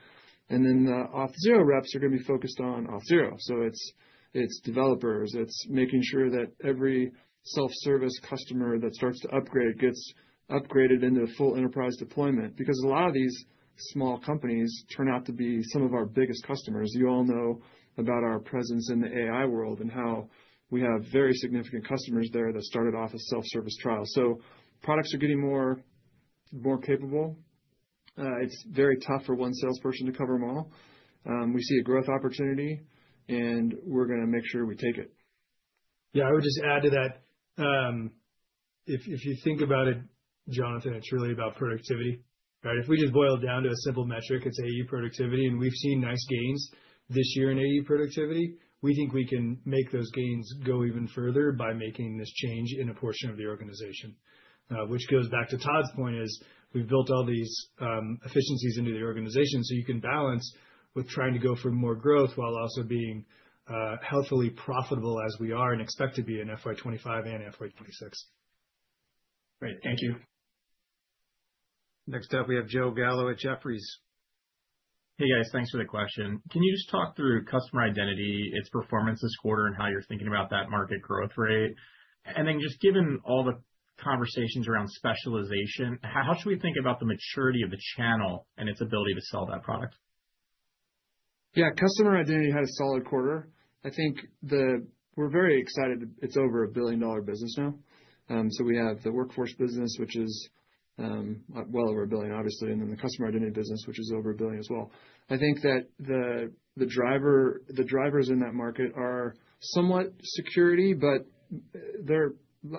And then the Auth0 reps are going to be focused on Auth0. So it's developers. It's making sure that every self-service customer that starts to upgrade gets upgraded into the full enterprise deployment because a lot of these small companies turn out to be some of our biggest customers. You all know about our presence in the AI world and how we have very significant customers there that started off as self-service trials. So products are getting more capable. It's very tough for one salesperson to cover them all. We see a growth opportunity, and we're going to make sure we take it. Yeah. I would just add to that. If you think about it, Jonathan, it's really about productivity. If we just boil it down to a simple metric, it's AE productivity. And we've seen nice gains this year in AE productivity. We think we can make those gains go even further by making this change in a portion of the organization, which goes back to Todd's point, is we've built all these efficiencies into the organization so you can balance with trying to go for more growth while also being healthily profitable as we are and expect to be in FY 2025 and FY 2026. Great. Thank you. Next up, we have Joe Gallo at Jefferies. Hey, guys. Thanks for the question. Can you just talk through customer identity, its performance this quarter, and how you're thinking about that market growth rate, and then just given all the conversations around specialization, how should we think about the maturity of the channel and its ability to sell that product? Yeah. Customer Identity had a solid quarter. I think we're very excited. It's over a billion-dollar business now. So we have the workforce business, which is well over a billion, obviously, and then the Customer Identity business, which is over a billion as well. I think that the drivers in that market are somewhat security, but they're a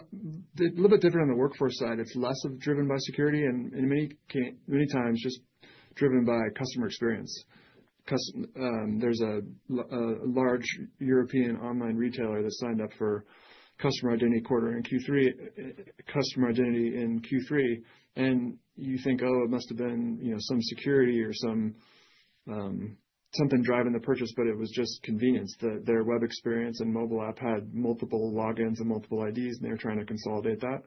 little bit different on the workforce side. It's less driven by security and many times just driven by customer experience. There's a large European online retailer that signed up for Customer Identity in Q3. And you think, oh, it must have been some security or something driving the purchase, but it was just convenience. Their web experience and mobile app had multiple logins and multiple IDs, and they were trying to consolidate that.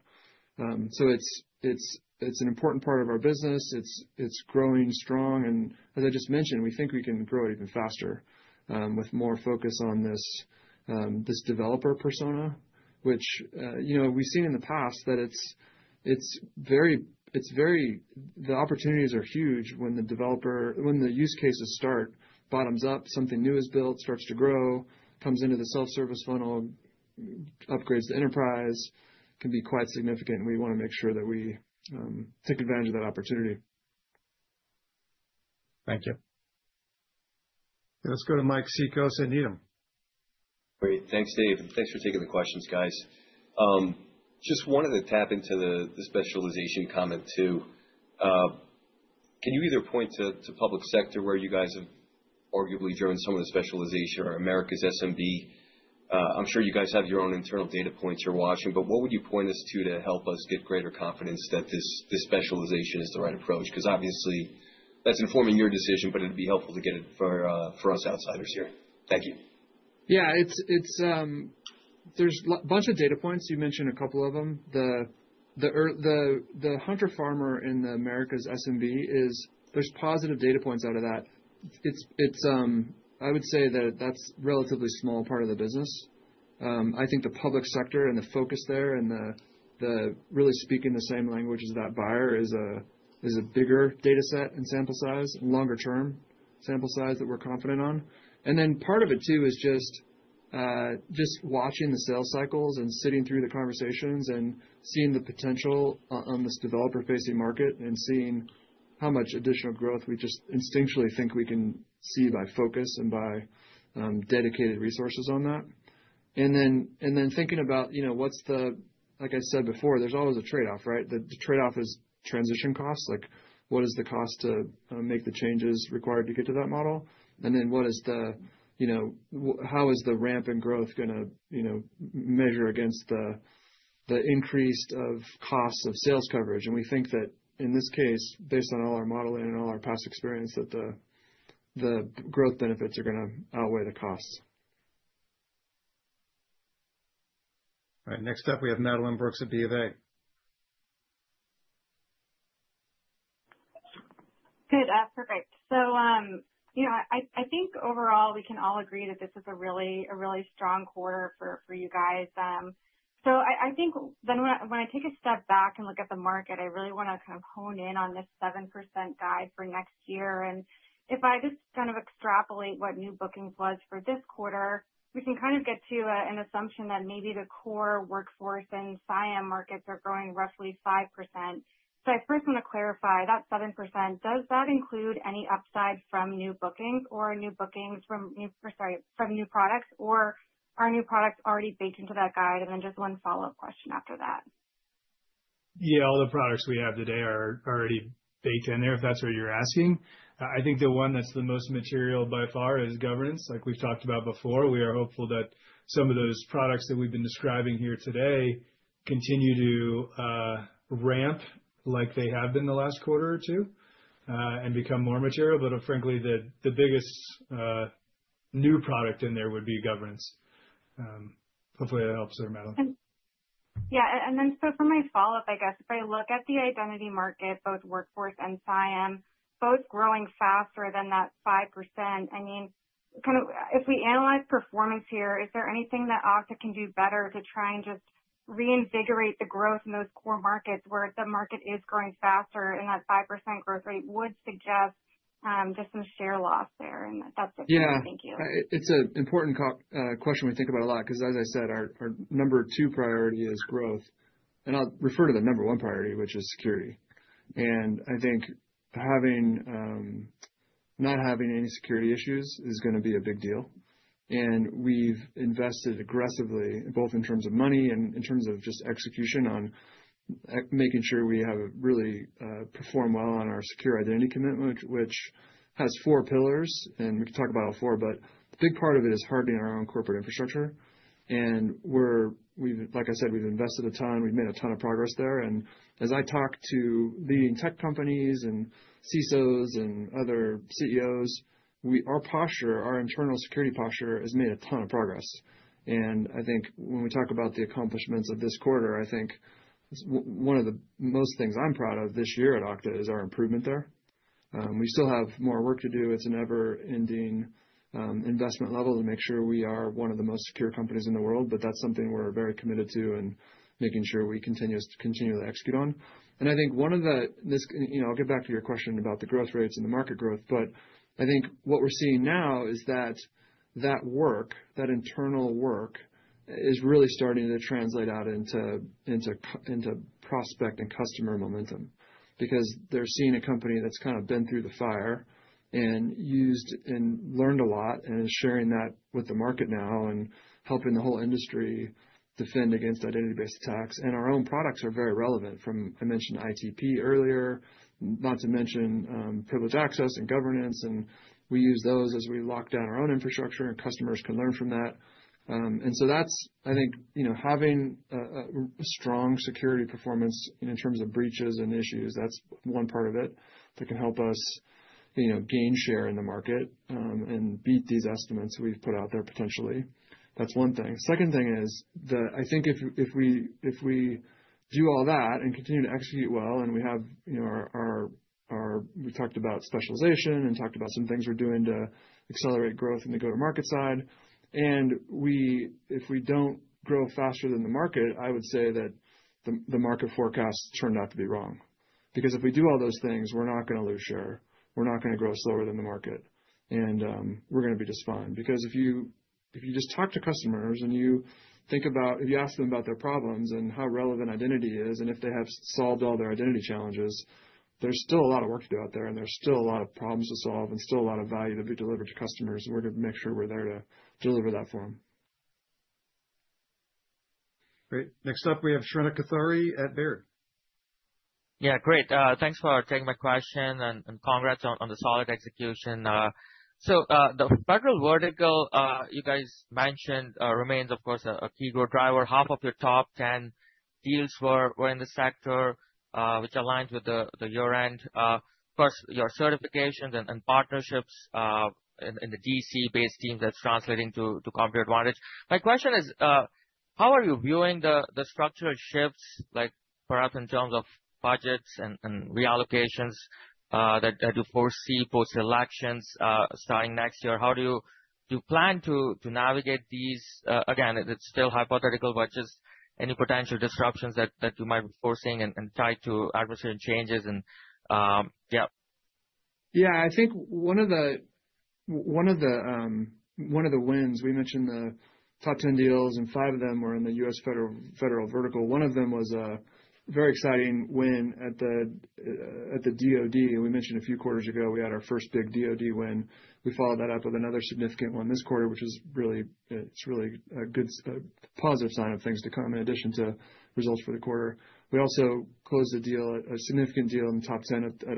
So it's an important part of our business. It's growing strong. And as I just mentioned, we think we can grow it even faster with more focus on this developer persona, which, you know, we've seen in the past that it's very, the opportunities are huge when the developer use cases start, bottoms up, something new is built, starts to grow, comes into the self-service funnel, upgrades the enterprise, can be quite significant. And we want to make sure that we take advantage of that opportunity. Thank you. Let's go to Mike Cikos at Needham. Great. Thanks, Dave. And thanks for taking the questions, guys. Just wanted to tap into the specialization comment too. Can you either point to public sector where you guys have arguably driven some of the specialization or Americas SMB? I'm sure you guys have your own internal data points you're watching, but what would you point us to to help us get greater confidence that this specialization is the right approach? Because obviously, that's informing your decision, but it'd be helpful to get it for us outsiders here. Thank you. Yeah. There's a bunch of data points. You mentioned a couple of them. The Hunter-Farmer in Americas SMB, there's positive data points out of that. I would say that that's a relatively small part of the business. I think the public sector and the focus there and really speaking the same language as that buyer is a bigger data set and sample size, longer-term sample size that we're confident on. And then part of it too is just watching the sales cycles and sitting through the conversations and seeing the potential on this developer-facing market and seeing how much additional growth we just instinctually think we can see by focus and by dedicated resources on that. And then thinking about, you know, what's the, like I said before, there's always a trade-off, right? The trade-off is transition costs. Like, what is the cost to make the changes required to get to that model? And then what is the, you know, how is the ramp in growth going to, you know, measure against the increased costs of sales coverage? And we think that in this case, based on all our modeling and all our past experience, that the growth benefits are going to outweigh the costs. All right. Next up, we have Madeline Brooks at Bank of America. Good. Perfect. So, you know, I think overall, we can all agree that this is a really strong quarter for you guys. So I think then when I take a step back and look at the market, I really want to kind of hone in on this 7% guide for next year. And if I just kind of extrapolate what new bookings was for this quarter, we can kind of get to an assumption that maybe the core workforce and CIAM markets are growing roughly 5%. So I first want to clarify that 7%. Does that include any upside from new bookings or new bookings from new, sorry, from new products, or are new products already baked into that guide? And then just one follow-up question after that. Yeah. All the products we have today are already baked in there, if that's what you're asking. I think the one that's the most material by far is Governance. Like we've talked about before, we are hopeful that some of those products that we've been describing here today continue to ramp like they have been the last quarter or two and become more material. But frankly, the biggest new product in there would be Governance. Hopefully, that helps there, Madeline. Yeah. And then so for my follow-up, I guess, if I look at the identity market, both workforce and CIAM, both growing faster than that 5%, I mean, kind of if we analyze performance here, is there anything that Okta can do better to try and just reinvigorate the growth in those core markets where the market is growing faster and that 5% growth rate would suggest just some share loss there? And that's the question. Thank you. Yeah. It's an important question we think about a lot because, as I said, our number two priority is growth. And I'll refer to the number one priority, which is security. And I think not having any security issues is going to be a big deal. And we've invested aggressively, both in terms of money and in terms of just execution on making sure we have really performed well on our Secure Identity Commitment, which has four pillars. And we can talk about all four, but a big part of it is hardening our own corporate infrastructure. And we're, like I said, we've invested a ton. We've made a ton of progress there. And as I talk to leading tech companies and CISOs and other CEOs, our posture, our internal security posture has made a ton of progress. And I think when we talk about the accomplishments of this quarter, I think one of the most things I'm proud of this year at Okta is our improvement there. We still have more work to do. It's an never-ending investment level to make sure we are one of the most secure companies in the world, but that's something we're very committed to and making sure we continue to execute on. I think one of the, you know, I'll get back to your question about the growth rates and the market growth, but I think what we're seeing now is that that work, that internal work is really starting to translate out into prospect and customer momentum because they're seeing a company that's kind of been through the fire and used and learned a lot and is sharing that with the market now and helping the whole industry defend against identity-based attacks. Our own products are very relevant from, I mentioned ITP earlier, not to mention Privileged Access and Governance. We use those as we lock down our own infrastructure and customers can learn from that. And so that's, I think, you know, having a strong security performance in terms of breaches and issues. That's one part of it that can help us, you know, gain share in the market and beat these estimates we've put out there potentially. That's one thing. Second thing is that I think if we do all that and continue to execute well and we have, you know, our, we talked about specialization and talked about some things we're doing to accelerate growth in the go-to-market side. And if we don't grow faster than the market, I would say that the market forecasts turned out to be wrong. Because if we do all those things, we're not going to lose share. We're not going to grow slower than the market. And we're going to be just fine. Because if you just talk to customers and you think about, if you ask them about their problems and how relevant identity is and if they have solved all their identity challenges, there's still a lot of work to do out there and there's still a lot of problems to solve and still a lot of value to be delivered to customers, and we're going to make sure we're there to deliver that for them. Great. Next up, we have Shrenik Kothari at Baird. Yeah. Great. Thanks for taking my question and congrats on the solid execution. So the federal vertical you guys mentioned remains, of course, a key growth driver. Half of your top 10 deals were in the sector, which aligns with your end. Of course, your certifications and partnerships in the DC-based team that's translating to competitive advantage. My question is, how are you viewing the structural shifts, like perhaps in terms of budgets and reallocations that you foresee post-elections starting next year? How do you plan to navigate these? Again, it's still hypothetical, but just any potential disruptions that you might be foreseeing and tied to administration changes. Yeah. I think one of the wins we mentioned the top 10 deals and five of them were in the U.S. federal vertical. One of them was a very exciting win at the DOD. We mentioned a few quarters ago, we had our first big DOD win. We followed that up with another significant one this quarter, which is really a good positive sign of things to come in addition to results for the quarter. We also closed a deal, a significant deal in the top 10 at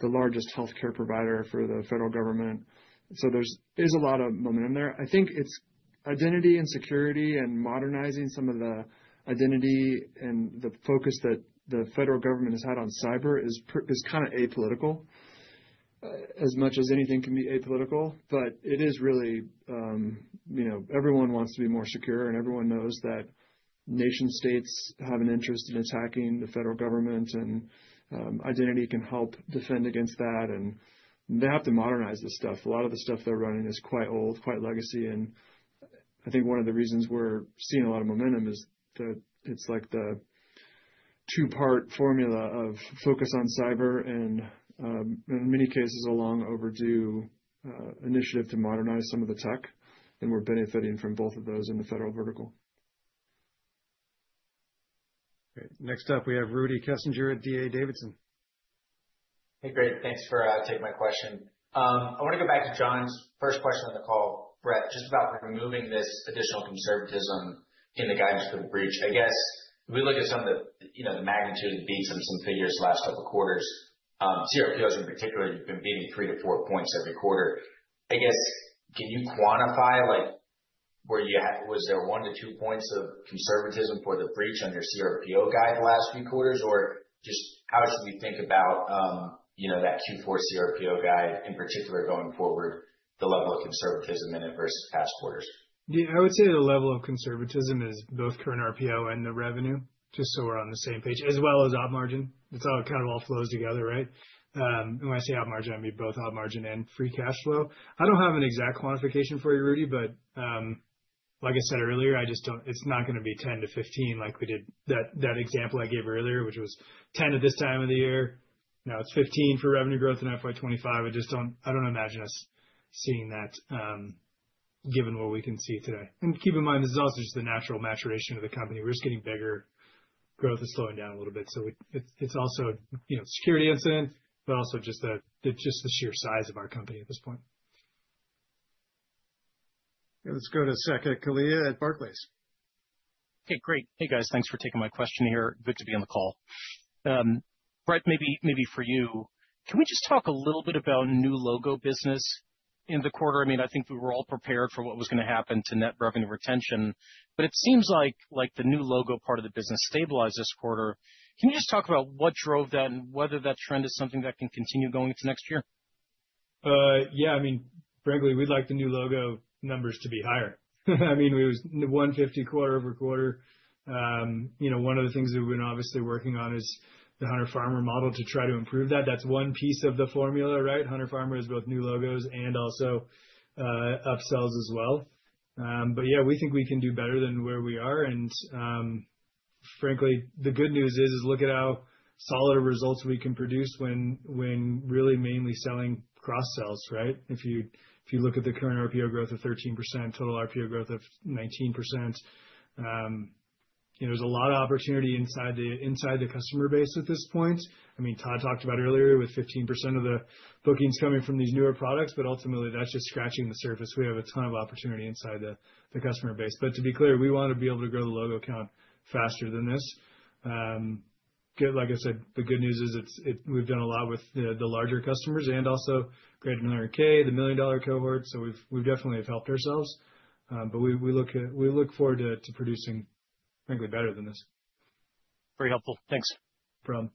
the largest healthcare provider for the federal government. So there's a lot of momentum there. I think it's identity and security and modernizing some of the identity and the focus that the federal government has had on cyber is kind of apolitical, as much as anything can be apolitical. But it is really, you know, everyone wants to be more secure and everyone knows that nation-states have an interest in attacking the federal government and identity can help defend against that. And they have to modernize this stuff. A lot of the stuff they're running is quite old, quite legacy. And I think one of the reasons we're seeing a lot of momentum is that it's like the two-part formula of focus on cyber and in many cases a long-overdue initiative to modernize some of the tech. And we're benefiting from both of those in the federal vertical. Great. Next up, we have Rudy Kessinger at DA Davidson. Hey, Greg. Thanks for taking my question. I want to go back to John's first question on the call, Brett, just about removing this additional conservatism in the guidance for the breach. I guess if we look at some of the, you know, the magnitude and beat some figures last couple of quarters, CRPOs in particular, you've been beating three to four points every quarter. I guess, can you quantify like where you had, was there one to two points of conservatism for the breach under CRPO guide the last few quarters? Or just how should we think about, you know, that Q4 CRPO guide in particular going forward, the level of conservatism in it versus past quarters? Yeah. I would say the level of conservatism is both current RPO and the revenue, just so we're on the same page, as well as op margin. It's all kind of all flows together, right? And when I say op margin, I mean both op margin and free cash flow. I don't have an exact quantification for you, Rudy, but like I said earlier, I just don't. It's not going to be 10% to 15% like we did that example I gave earlier, which was 10% at this time of the year. Now it's 15% for revenue growth and FY 2025. I just don't. I don't imagine us seeing that given what we can see today. And keep in mind, this is also just the natural maturation of the company. We're just getting bigger. Growth is slowing down a little bit. So it's also, you know, security incident, but also just the sheer size of our company at this point. Yeah. Let's go to Saket Kalia at Barclays. Okay. Great. Hey, guys. Thanks for taking my question here. Good to be on the call. Brett, maybe for you, can we just talk a little bit about new logo business in the quarter? I mean, I think we were all prepared for what was going to happen to net revenue retention, but it seems like the new logo part of the business stabilized this quarter. Can you just talk about what drove that and whether that trend is something that can continue going into next year? Yeah. I mean, frankly, we'd like the new logo numbers to be higher. I mean, we was 150 quarter over quarter. You know, one of the things that we've been obviously working on is the hunter-farmer model to try to improve that. That's one piece of the formula, right? Hunter-Farmer is both new logos and also upsells as well. But yeah, we think we can do better than where we are. And frankly, the good news is, look at how solid results we can produce when really mainly selling cross-sells, right? If you look at the current RPO growth of 13%, total RPO growth of 19%, you know, there's a lot of opportunity inside the customer base at this point. I mean, Todd talked about earlier with 15% of the bookings coming from these newer products, but ultimately that's just scratching the surface. We have a ton of opportunity inside the customer base. But to be clear, we want to be able to grow the logo count faster than this. Like I said, the good news is we've done a lot with the larger customers and also large and million-dollar ACV, the million-dollar cohort. So we've definitely helped ourselves. But we look forward to producing frankly better than this. Very helpful. Thanks. Problem.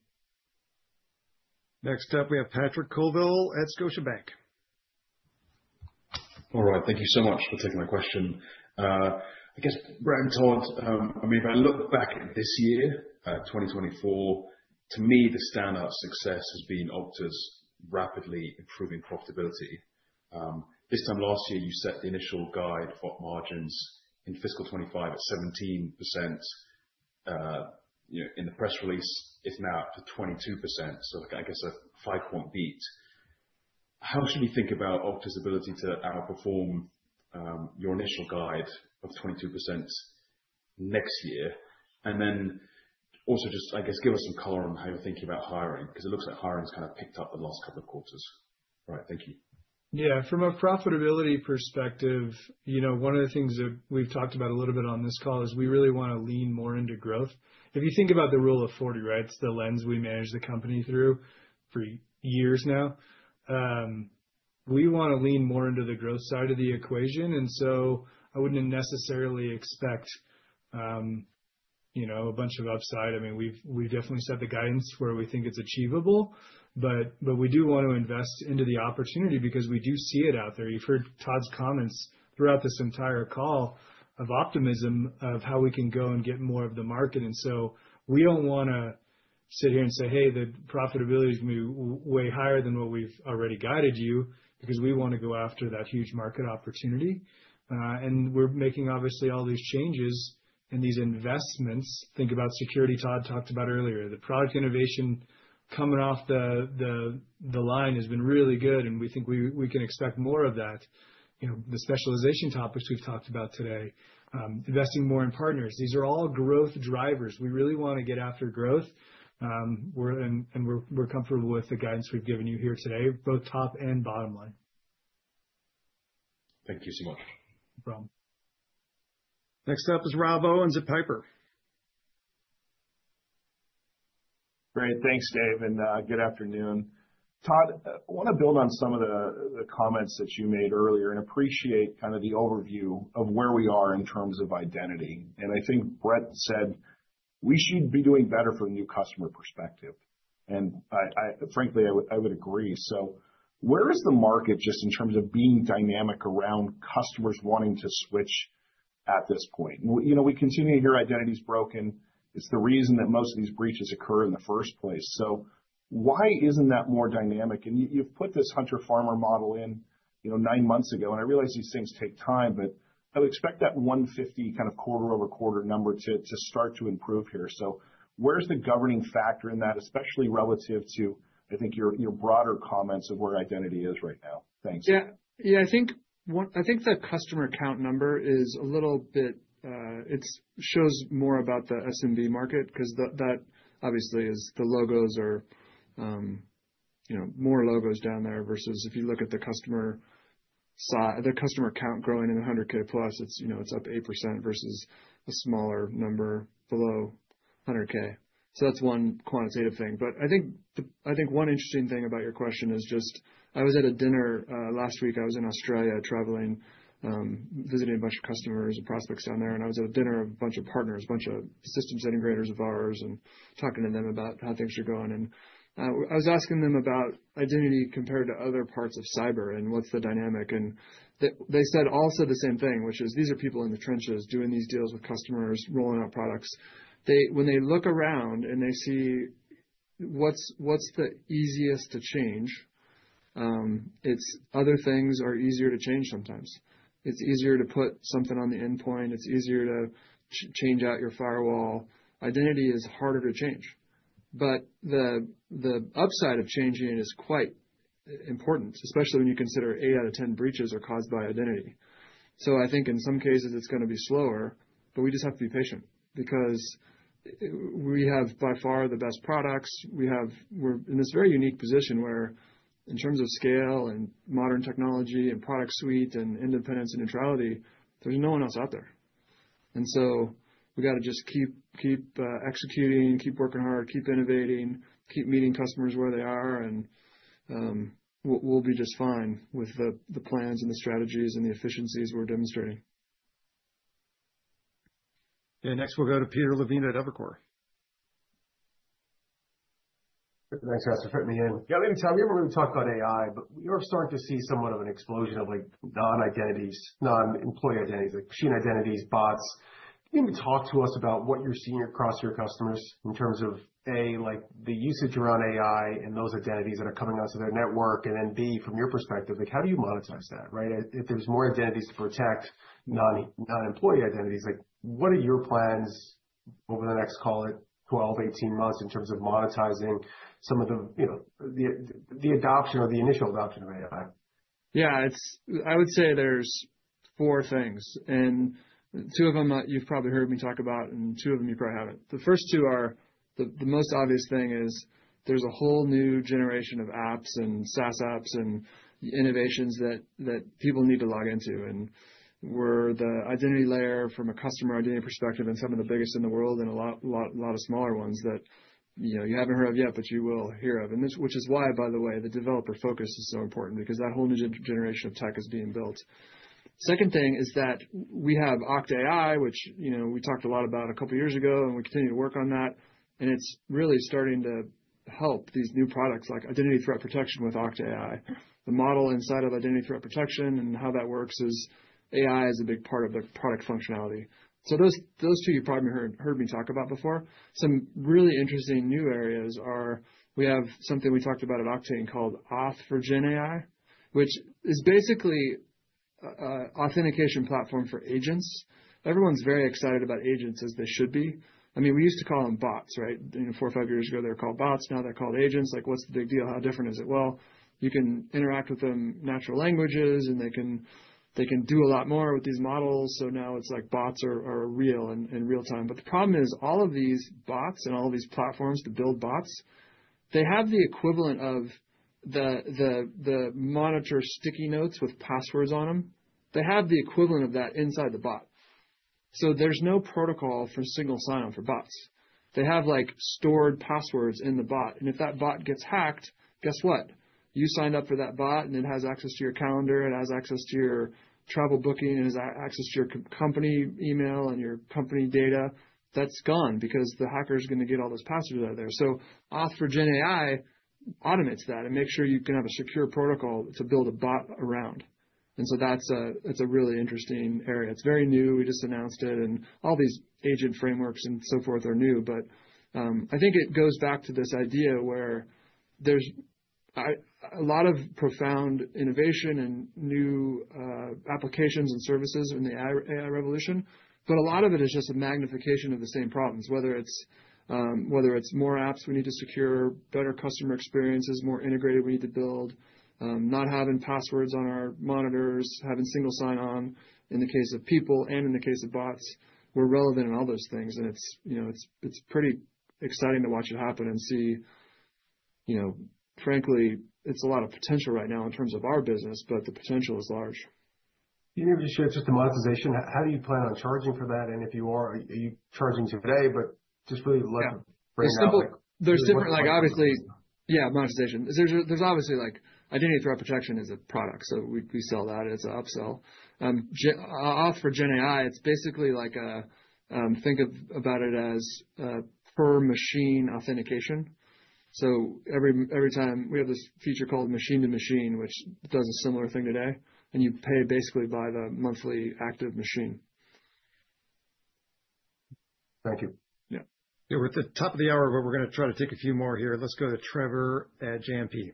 Next up, we have Patrick Colville at Scotiabank. All right. Thank you so much for taking my question. I guess, Brett and Todd, I mean, if I look back at this year, 2024, to me, the standout success has been Okta's rapidly improving profitability. This time last year, you set the initial guide for margins in fiscal 25 at 17%. You know, in the press release, it's now up to 22%. So I guess a five-point beat. How should we think about Okta's ability to outperform your initial guide of 22% next year? And then also just, I guess, give us some color on how you're thinking about hiring because it looks like hiring's kind of picked up the last couple of quarters. All right. Thank you. Yeah. From a profitability perspective, you know, one of the things that we've talked about a little bit on this call is we really want to lean more into growth. If you think about the Rule of 40, right, it's the lens we manage the company through for years now. We want to lean more into the growth side of the equation. And so I wouldn't necessarily expect, you know, a bunch of upside. I mean, we've definitely set the guidance where we think it's achievable, but we do want to invest into the opportunity because we do see it out there. You've heard Todd's comments throughout this entire call of optimism of how we can go and get more of the market. And so we don't want to sit here and say, "Hey, the profitability is going to be way higher than what we've already guided you," because we want to go after that huge market opportunity. And we're making obviously all these changes and these investments. Think about security Todd talked about earlier. The product innovation coming off the line has been really good. And we think we can expect more of that. You know, the specialization topics we've talked about today, investing more in partners, these are all growth drivers. We really want to get after growth. And we're comfortable with the guidance we've given you here today, both top and bottom line. Thank you so much. No problem. Next up is Rob Owens at Piper. Great. Thanks, Dave. And good afternoon. Todd, I want to build on some of the comments that you made earlier and appreciate kind of the overview of where we are in terms of identity. And I think Brett said we should be doing better from a new customer perspective. And frankly, I would agree. So where is the market just in terms of being dynamic around customers wanting to switch at this point? You know, we continue to hear identity's broken. It's the reason that most of these breaches occur in the first place. So why isn't that more dynamic? And you've put this hunter-farmer model in, you know, nine months ago. And I realize these things take time, but I would expect that 150 kind of quarter-over-quarter number to start to improve here. So where's the governing factor in that, especially relative to, I think, your broader comments of where identity is right now? Thanks. Yeah. Yeah. I think the customer account number is a little bit, it shows more about the SMB market because that obviously is the logos are, you know, more logos down there versus if you look at the customer account growing in the 100K+, it's, you know, it's up 8% versus a smaller number below 100K. So that's one quantitative thing. But I think one interesting thing about your question is just I was at a dinner last week. I was in Australia traveling, visiting a bunch of customers and prospects down there. And I was at a dinner of a bunch of partners, a bunch of systems integrators of ours, and talking to them about how things are going. And I was asking them about identity compared to other parts of cyber and what's the dynamic. They said also the same thing, which is these are people in the trenches doing these deals with customers, rolling out products. When they look around and they see what's the easiest to change, it's other things are easier to change sometimes. It's easier to put something on the endpoint. It's easier to change out your firewall. Identity is harder to change. The upside of changing it is quite important, especially when you consider eight out of ten breaches are caused by identity. I think in some cases it's going to be slower, but we just have to be patient because we have by far the best products. We're in this very unique position where in terms of scale and modern technology and product suite and independence and neutrality, there's no one else out there. And so we got to just keep executing, keep working hard, keep innovating, keep meeting customers where they are. And we'll be just fine with the plans and the strategies and the efficiencies we're demonstrating. Next we'll go to Peter Levine at Evercore. Thanks, Russell. Forget me again. Yeah. Let me tell you, we're going to talk about AI, but we are starting to see somewhat of an explosion of like non-identities, non-employee identities, like machine identities, bots. Can you talk to us about what you're seeing across your customers in terms of A, like the usage around AI and those identities that are coming onto their network? And then B, from your perspective, like how do you monetize that, right? If there's more identities to protect non-employee identities, like what are your plans over the next, call it 12 to 18 months in terms of monetizing some of the, you know, the adoption or the initial adoption of AI? Yeah. It's, I would say, there's four things. And two of them you've probably heard me talk about and two of them you probably haven't. The first two are the most obvious thing is there's a whole new generation of apps and SaaS apps and innovations that people need to log into. And we're the identity layer from a customer identity perspective and some of the biggest in the world and a lot of smaller ones that, you know, you haven't heard of yet, but you will hear of. And which is why, by the way, the developer focus is so important because that whole new generation of tech is being built. Second thing is that we have Okta AI, which, you know, we talked a lot about a couple of years ago and we continue to work on that. It's really starting to help these new products like Identity Threat Protection with Okta AI. The model inside of Identity Threat Protection and how that works is AI is a big part of the product functionality. So those two you've probably heard me talk about before. Some really interesting new areas are we have something we talked about at Okta called Auth for GenAI, which is basically an authentication platform for agents. Everyone's very excited about agents as they should be. I mean, we used to call them bots, right? You know, four or five years ago they were called bots. Now they're called agents. Like what's the big deal? How different is it? Well, you can interact with them in natural languages and they can do a lot more with these models. So now it's like bots are real in real time. But the problem is all of these bots and all of these platforms to build bots, they have the equivalent of the monitor sticky notes with passwords on them. They have the equivalent of that inside the bot. So there's no protocol for single sign-on for bots. They have like stored passwords in the bot. And if that bot gets hacked, guess what? You signed up for that bot and it has access to your calendar. It has access to your travel booking. It has access to your company email and your company data. That's gone because the hacker is going to get all those passwords out of there. So Auth for GenAI automates that and makes sure you can have a secure protocol to build a bot around. And so that's a really interesting area. It's very new. We just announced it. And all these agent frameworks and so forth are new. But I think it goes back to this idea where there's a lot of profound innovation and new applications and services in the AI revolution, but a lot of it is just a magnification of the same problems, whether it's more apps we need to secure, better customer experiences, more integrated we need to build, not having passwords on our monitors, having single sign-on in the case of people and in the case of bots. We're relevant in all those things. And it's, you know, it's pretty exciting to watch it happen and see, you know, frankly, it's a lot of potential right now in terms of our business, but the potential is large. Can you just share the monetization? How do you plan on charging for that? And if you are, are you charging today? But just really let's bring that up. There's different, like obviously, yeah, monetization. There's obviously like Identity Threat Protection is a product. So we sell that. It's an upsell. Auth for GenAI, it's basically like a, think about it as per machine authentication. So every time we have this feature called Machine-to-Machine, which does a similar thing today, and you pay basically by the monthly active machine. Thank you. Yeah. Yeah. We're at the top of the hour, but we're going to try to take a few more here. Let's go to Trevor at JMP.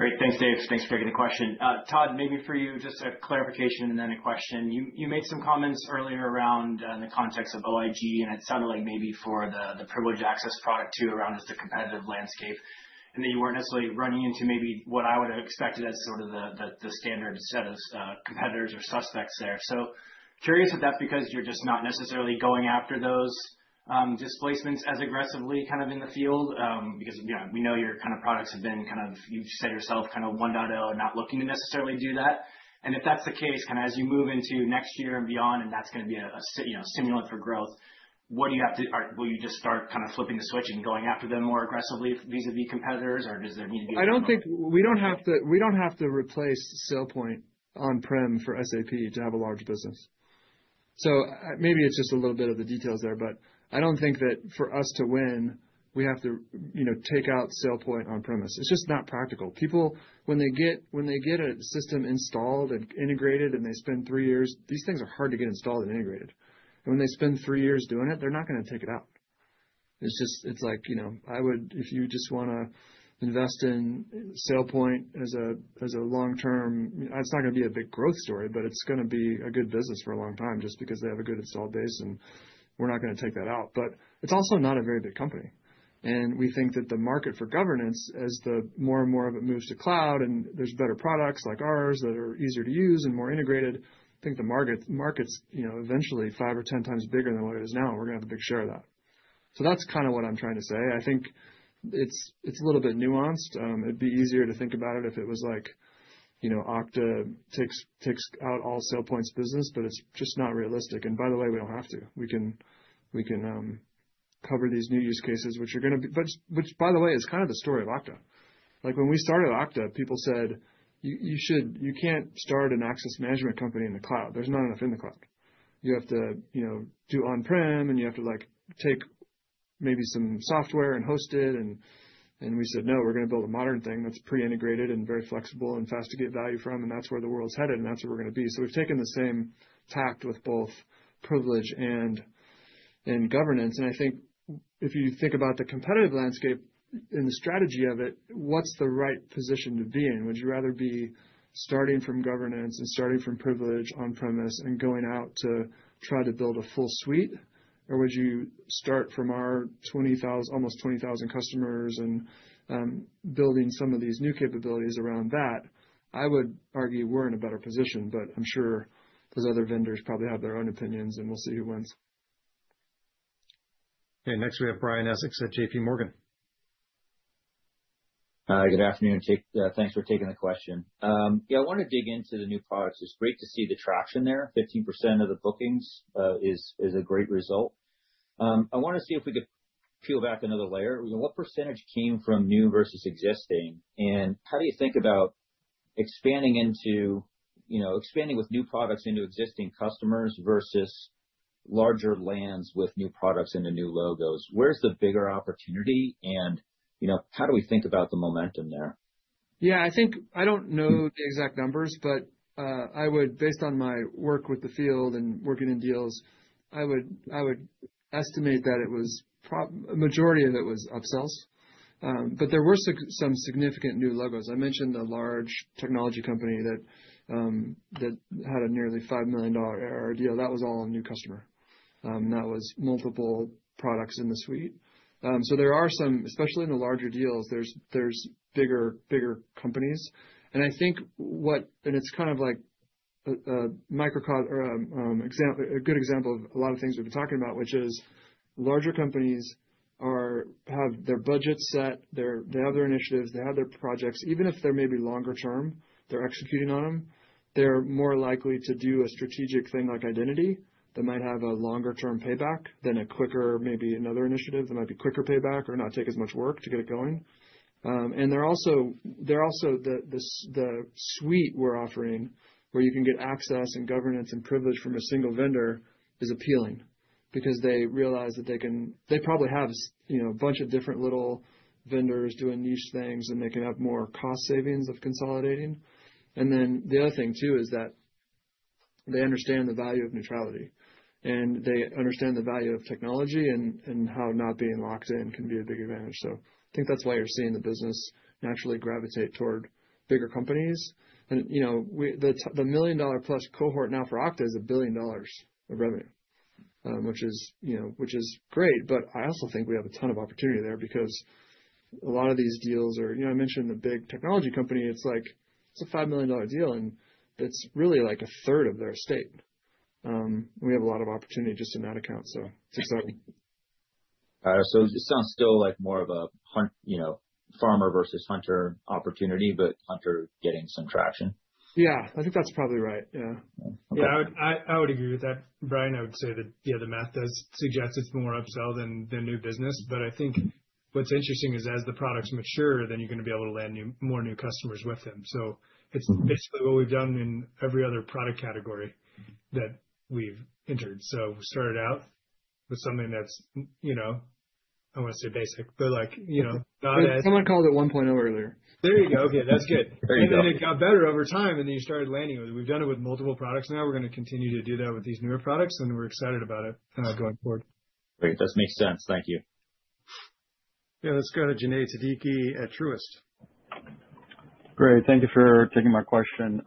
Great. Thanks, Dave. Thanks for taking the question. Todd, maybe for you just a clarification and then a question. You made some comments earlier around the context of OIG, and it sounded like maybe for the Privileged Access product too around just the competitive landscape and that you weren't necessarily running into maybe what I would have expected as sort of the standard set of competitors or suspects there. So curious if that's because you're just not necessarily going after those displacements as aggressively kind of in the field because, you know, we know your kind of products have been kind of, you've said yourself kind of 1.0 and not looking to necessarily do that? And if that's the case, kind of as you move into next year and beyond, and that's going to be a stimulant for growth, what do you have to, or will you just start kind of flipping the switch and going after them more aggressively vis-à-vis competitors, or does there need to be a? I don't think we don't have to replace SailPoint on-prem for SAP to have a large business, so maybe it's just a little bit of the details there, but I don't think that for us to win, we have to, you know, take out SailPoint on-premise. It's just not practical. People, when they get a system installed and integrated and they spend three years, these things are hard to get installed and integrated, and when they spend three years doing it, they're not going to take it out. It's just, it's like, you know, I would, if you just want to invest in SailPoint as a long-term, it's not going to be a big growth story, but it's going to be a good business for a long time just because they have a good installed base and we're not going to take that out. But it's also not a very big company. And we think that the market for Governance, as more and more of it moves to cloud and there's better products like ours that are easier to use and more integrated, I think the market's, you know, eventually five or 10 times bigger than what it is now. We're going to have a big share of that. So that's kind of what I'm trying to say. I think it's a little bit nuanced. It'd be easier to think about it if it was like, you know, Okta takes out all SailPoint's business, but it's just not realistic. And by the way, we don't have to. We can cover these new use cases, which are going to be, which by the way, is kind of the story of Okta. Like when we started Okta, people said, you should, you can't start an access management company in the cloud. There's not enough in the cloud. You have to, you know, do on-prem and you have to like take maybe some software and host it. And we said, no, we're going to build a modern thing that's pre-integrated and very flexible and fast to get value from. And that's where the world's headed and that's where we're going to be. So we've taken the same tack with both privilege and Governance. And I think if you think about the competitive landscape and the strategy of it, what's the right position to be in? Would you rather be starting from Governance and starting from privilege on-premise and going out to try to build a full suite, or would you start from our almost 20,000 customers and building some of these new capabilities around that? I would argue we're in a better position, but I'm sure those other vendors probably have their own opinions and we'll see who wins. Next we have Brian Essex at J.P. Morgan. Hi, good afternoon. Thanks for taking the question. Yeah, I want to dig into the new products. It's great to see the traction there. 15% of the bookings is a great result. I want to see if we could peel back another layer. What percentage came from new versus existing? And how do you think about expanding into, you know, expanding with new products into existing customers versus larger lands with new products and new logos? Where's the bigger opportunity? And, you know, how do we think about the momentum there? Yeah, I think I don't know the exact numbers, but I would, based on my work with the field and working in deals, I would estimate that it was a majority of it was upsells. But there were some significant new logos. I mentioned a large technology company that had a nearly $5 million deal. That was all a new customer. And that was multiple products in the suite. So there are some, especially in the larger deals, there's bigger companies. And I think what, and it's kind of like a good example of a lot of things we've been talking about, which is larger companies have their budgets set, they have their initiatives, they have their projects. Even if they're maybe longer term, they're executing on them, they're more likely to do a strategic thing like identity that might have a longer term payback than a quicker, maybe another initiative that might be quicker payback or not take as much work to get it going. And they're also, they're also the suite we're offering where you can get access and Governance and privilege from a single vendor is appealing because they realize that they can, they probably have, you know, a bunch of different little vendors doing niche things and they can have more cost savings of consolidating. And then the other thing too is that they understand the value of neutrality and they understand the value of technology and how not being locked in can be a big advantage. So I think that's why you're seeing the business naturally gravitate toward bigger companies. You know, the million dollar plus cohort now for Okta is $1 billion of revenue, which is, you know, great. I also think we have a ton of opportunity there because a lot of these deals are, you know, I mentioned the big technology company. It's like, it's a $5 million deal and it's really like a third of their estate. We have a lot of opportunity just in that account. It's exciting. So it sounds still like more of a, you know, farmer versus hunter opportunity, but hunter getting some traction. Yeah, I think that's probably right. Yeah. Yeah, I would agree with that. Brian, I would say that, yeah, the math does suggest it's more upsell than new business. But I think what's interesting is as the products mature, then you're going to be able to land more new customers with them. So it's basically what we've done in every other product category that we've entered. So we started out with something that's, you know, I want to say basic, but like, you know. Someone called it 1.0 earlier. There you go. Okay. That's good. And then it got better over time and then you started landing with it. We've done it with multiple products now. We're going to continue to do that with these newer products and we're excited about it going forward. Great. That makes sense. Thank you. Yeah. Let's go to Junaid Sidhu at Truist. Great. Thank you for taking my question.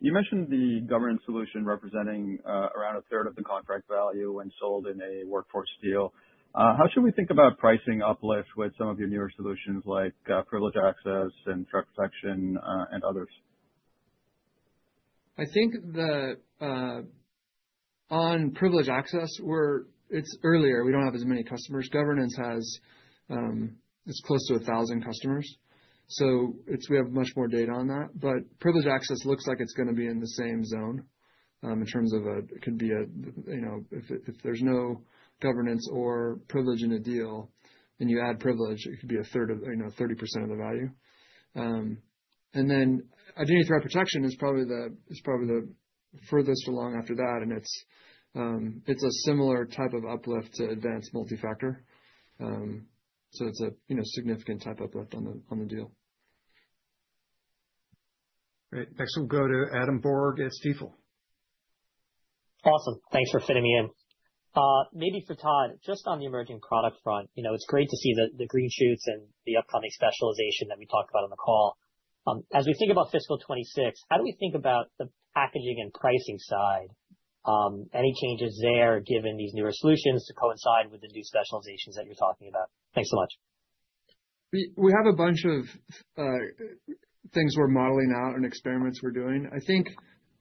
You mentioned the Governance solution representing around a third of the contract value when sold in a workforce deal. How should we think about pricing uplift with some of your newer solutions like Privileged Access and threat protection and others? I think on Privileged Access, we're – it's earlier. We don't have as many customers. Governance has close to a thousand customers. So we have much more data on that. But Privileged Access looks like it's going to be in the same zone in terms of it could be a, you know, if there's no Governance or privilege in a deal and you add privilege, it could be a third of, you know, 30% of the value. And then Identity Threat Protection is probably the furthest along after that. And it's a similar type of uplift to Adaptive Multi-Factor Authentication. So it's a, you know, significant type uplift on the deal. Great. Next we'll go to Adam Borg at Stifel. Awesome. Thanks for fitting me in. Maybe for Todd, just on the emerging product front, you know, it's great to see the green shoots and the upcoming specialization that we talked about on the call. As we think about fiscal 2026, how do we think about the packaging and pricing side? Any changes there given these newer solutions to coincide with the new specializations that you're talking about? Thanks so much. We have a bunch of things we're modeling out and experiments we're doing. I think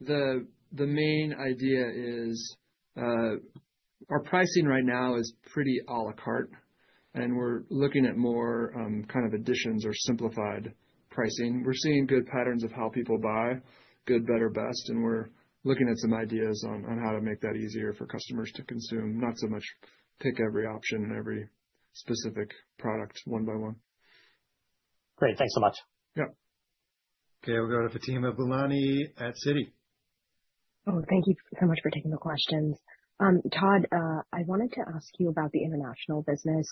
the main idea is our pricing right now is pretty à la carte. And we're looking at more kind of additions or simplified pricing. We're seeing good patterns of how people buy, good, better, best. And we're looking at some ideas on how to make that easier for customers to consume, not so much pick every option and every specific product one by one. Great. Thanks so much. Yeah. Okay. We'll go to Fatima Boolani at Citi. Oh, thank you so much for taking the questions. Todd, I wanted to ask you about the international business.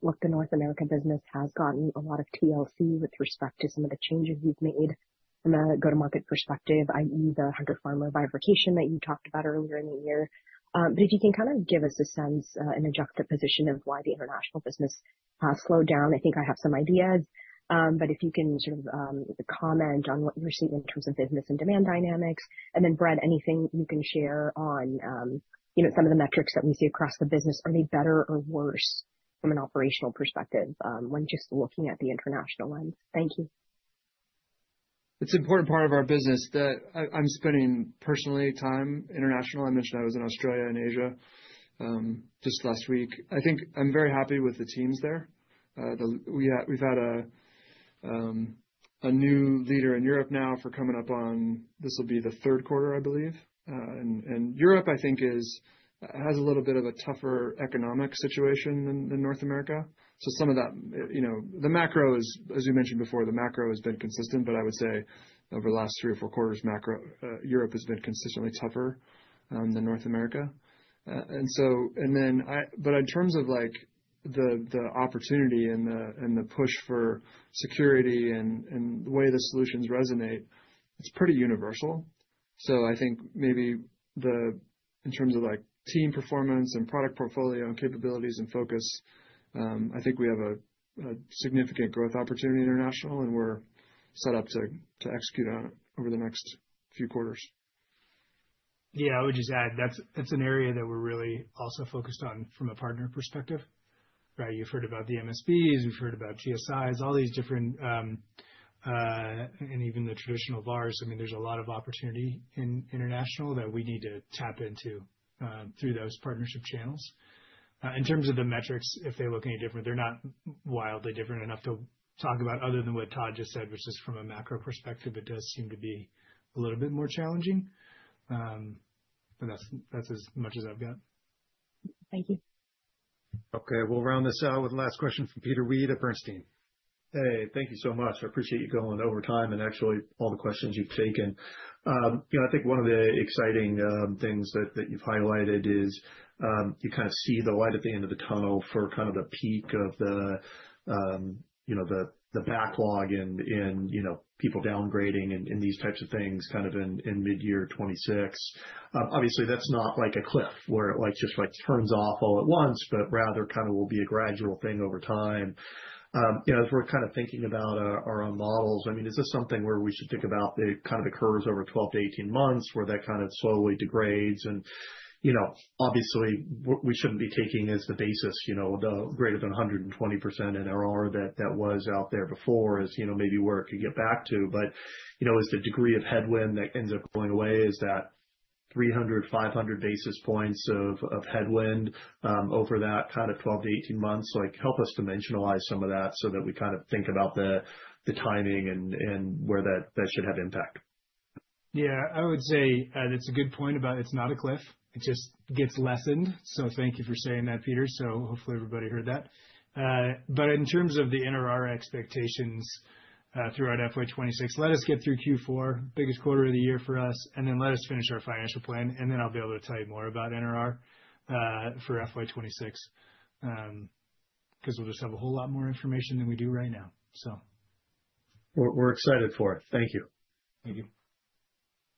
Look, the North America business has gotten a lot of TLC with respect to some of the changes you've made from a go-to-market perspective, i.e. the hunter-farmer bifurcation that you talked about earlier in the year. But if you can kind of give us a sense and a juxtaposition of why the international business has slowed down. I think I have some ideas. But if you can sort of comment on what you're seeing in terms of business and demand dynamics. And then Brett, anything you can share on, you know, some of the metrics that we see across the business, are they better or worse from an operational perspective when just looking at the international lens? Thank you. It's an important part of our business that I'm spending personal time internationally. I mentioned I was in Australia and Asia just last week. I think I'm very happy with the teams there. We've had a new leader in Europe now for coming up on, this will be the third quarter, I believe, and Europe, I think, has a little bit of a tougher economic situation than North America. So some of that, you know, the macro is, as you mentioned before, the macro has been consistent, but I would say over the last three or four quarters, macro Europe has been consistently tougher than North America, and so, and then, but in terms of like the opportunity and the push for security and the way the solutions resonate, it's pretty universal. So I think maybe in terms of like team performance and product portfolio and capabilities and focus, I think we have a significant growth opportunity international and we're set up to execute on it over the next few quarters. Yeah, I would just add that's an area that we're really also focused on from a partner perspective. Right? You've heard about the MSPs, we've heard about GSIs, all these different, and even the traditional VARs. I mean, there's a lot of opportunity in international that we need to tap into through those partnership channels. In terms of the metrics, if they look any different, they're not wildly different enough to talk about other than what Todd just said, which is from a macro perspective, it does seem to be a little bit more challenging. But that's as much as I've got. Thank you. Okay. We'll round this out with the last question from Peter Weed at Bernstein. Hey, thank you so much. I appreciate you going over time and actually all the questions you've taken. You know, I think one of the exciting things that you've highlighted is you kind of see the light at the end of the tunnel for kind of the peak of the, you know, the backlog and, you know, people downgrading and these types of things kind of in mid-year 2026. Obviously, that's not like a cliff where it like just like turns off all at once, but rather kind of will be a gradual thing over time. You know, as we're kind of thinking about our own models, I mean, is this something where we should think about that kind of occurs over 12 to 18 months where that kind of slowly degrades? And, you know, obviously what we shouldn't be taking as the basis, you know, the greater than 120% NRR that was out there before is, you know, maybe where it could get back to. But, you know, is the degree of headwind that ends up going away, is that 300 bps to 500 bps of headwind over that kind of 12 to 18 months? Like, help us dimensionalize some of that so that we kind of think about the timing and where that should have impact. Yeah, I would say that's a good point about it's not a cliff. It just gets lessened, so thank you for saying that, Peter, so hopefully everybody heard that, but in terms of the NRR expectations throughout FY 2026, let us get through Q4, biggest quarter of the year for us, and then let us finish our financial plan, and then I'll be able to tell you more about NRR for FY 2026 because we'll just have a whole lot more information than we do right now. So. We're excited for it. Thank you. Thank you.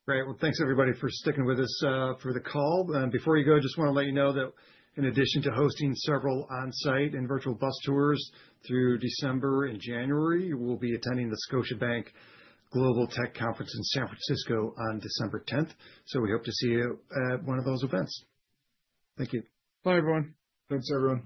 Great. Well, thanks everybody for sticking with us for the call. Before you go, I just want to let you know that in addition to hosting several onsite and virtual bus tours through December and January, we'll be attending the Scotiabank Global Tech Conference in San Francisco on December 10th. So we hope to see you at one of those events. Thank you. Bye everyone. Thanks everyone.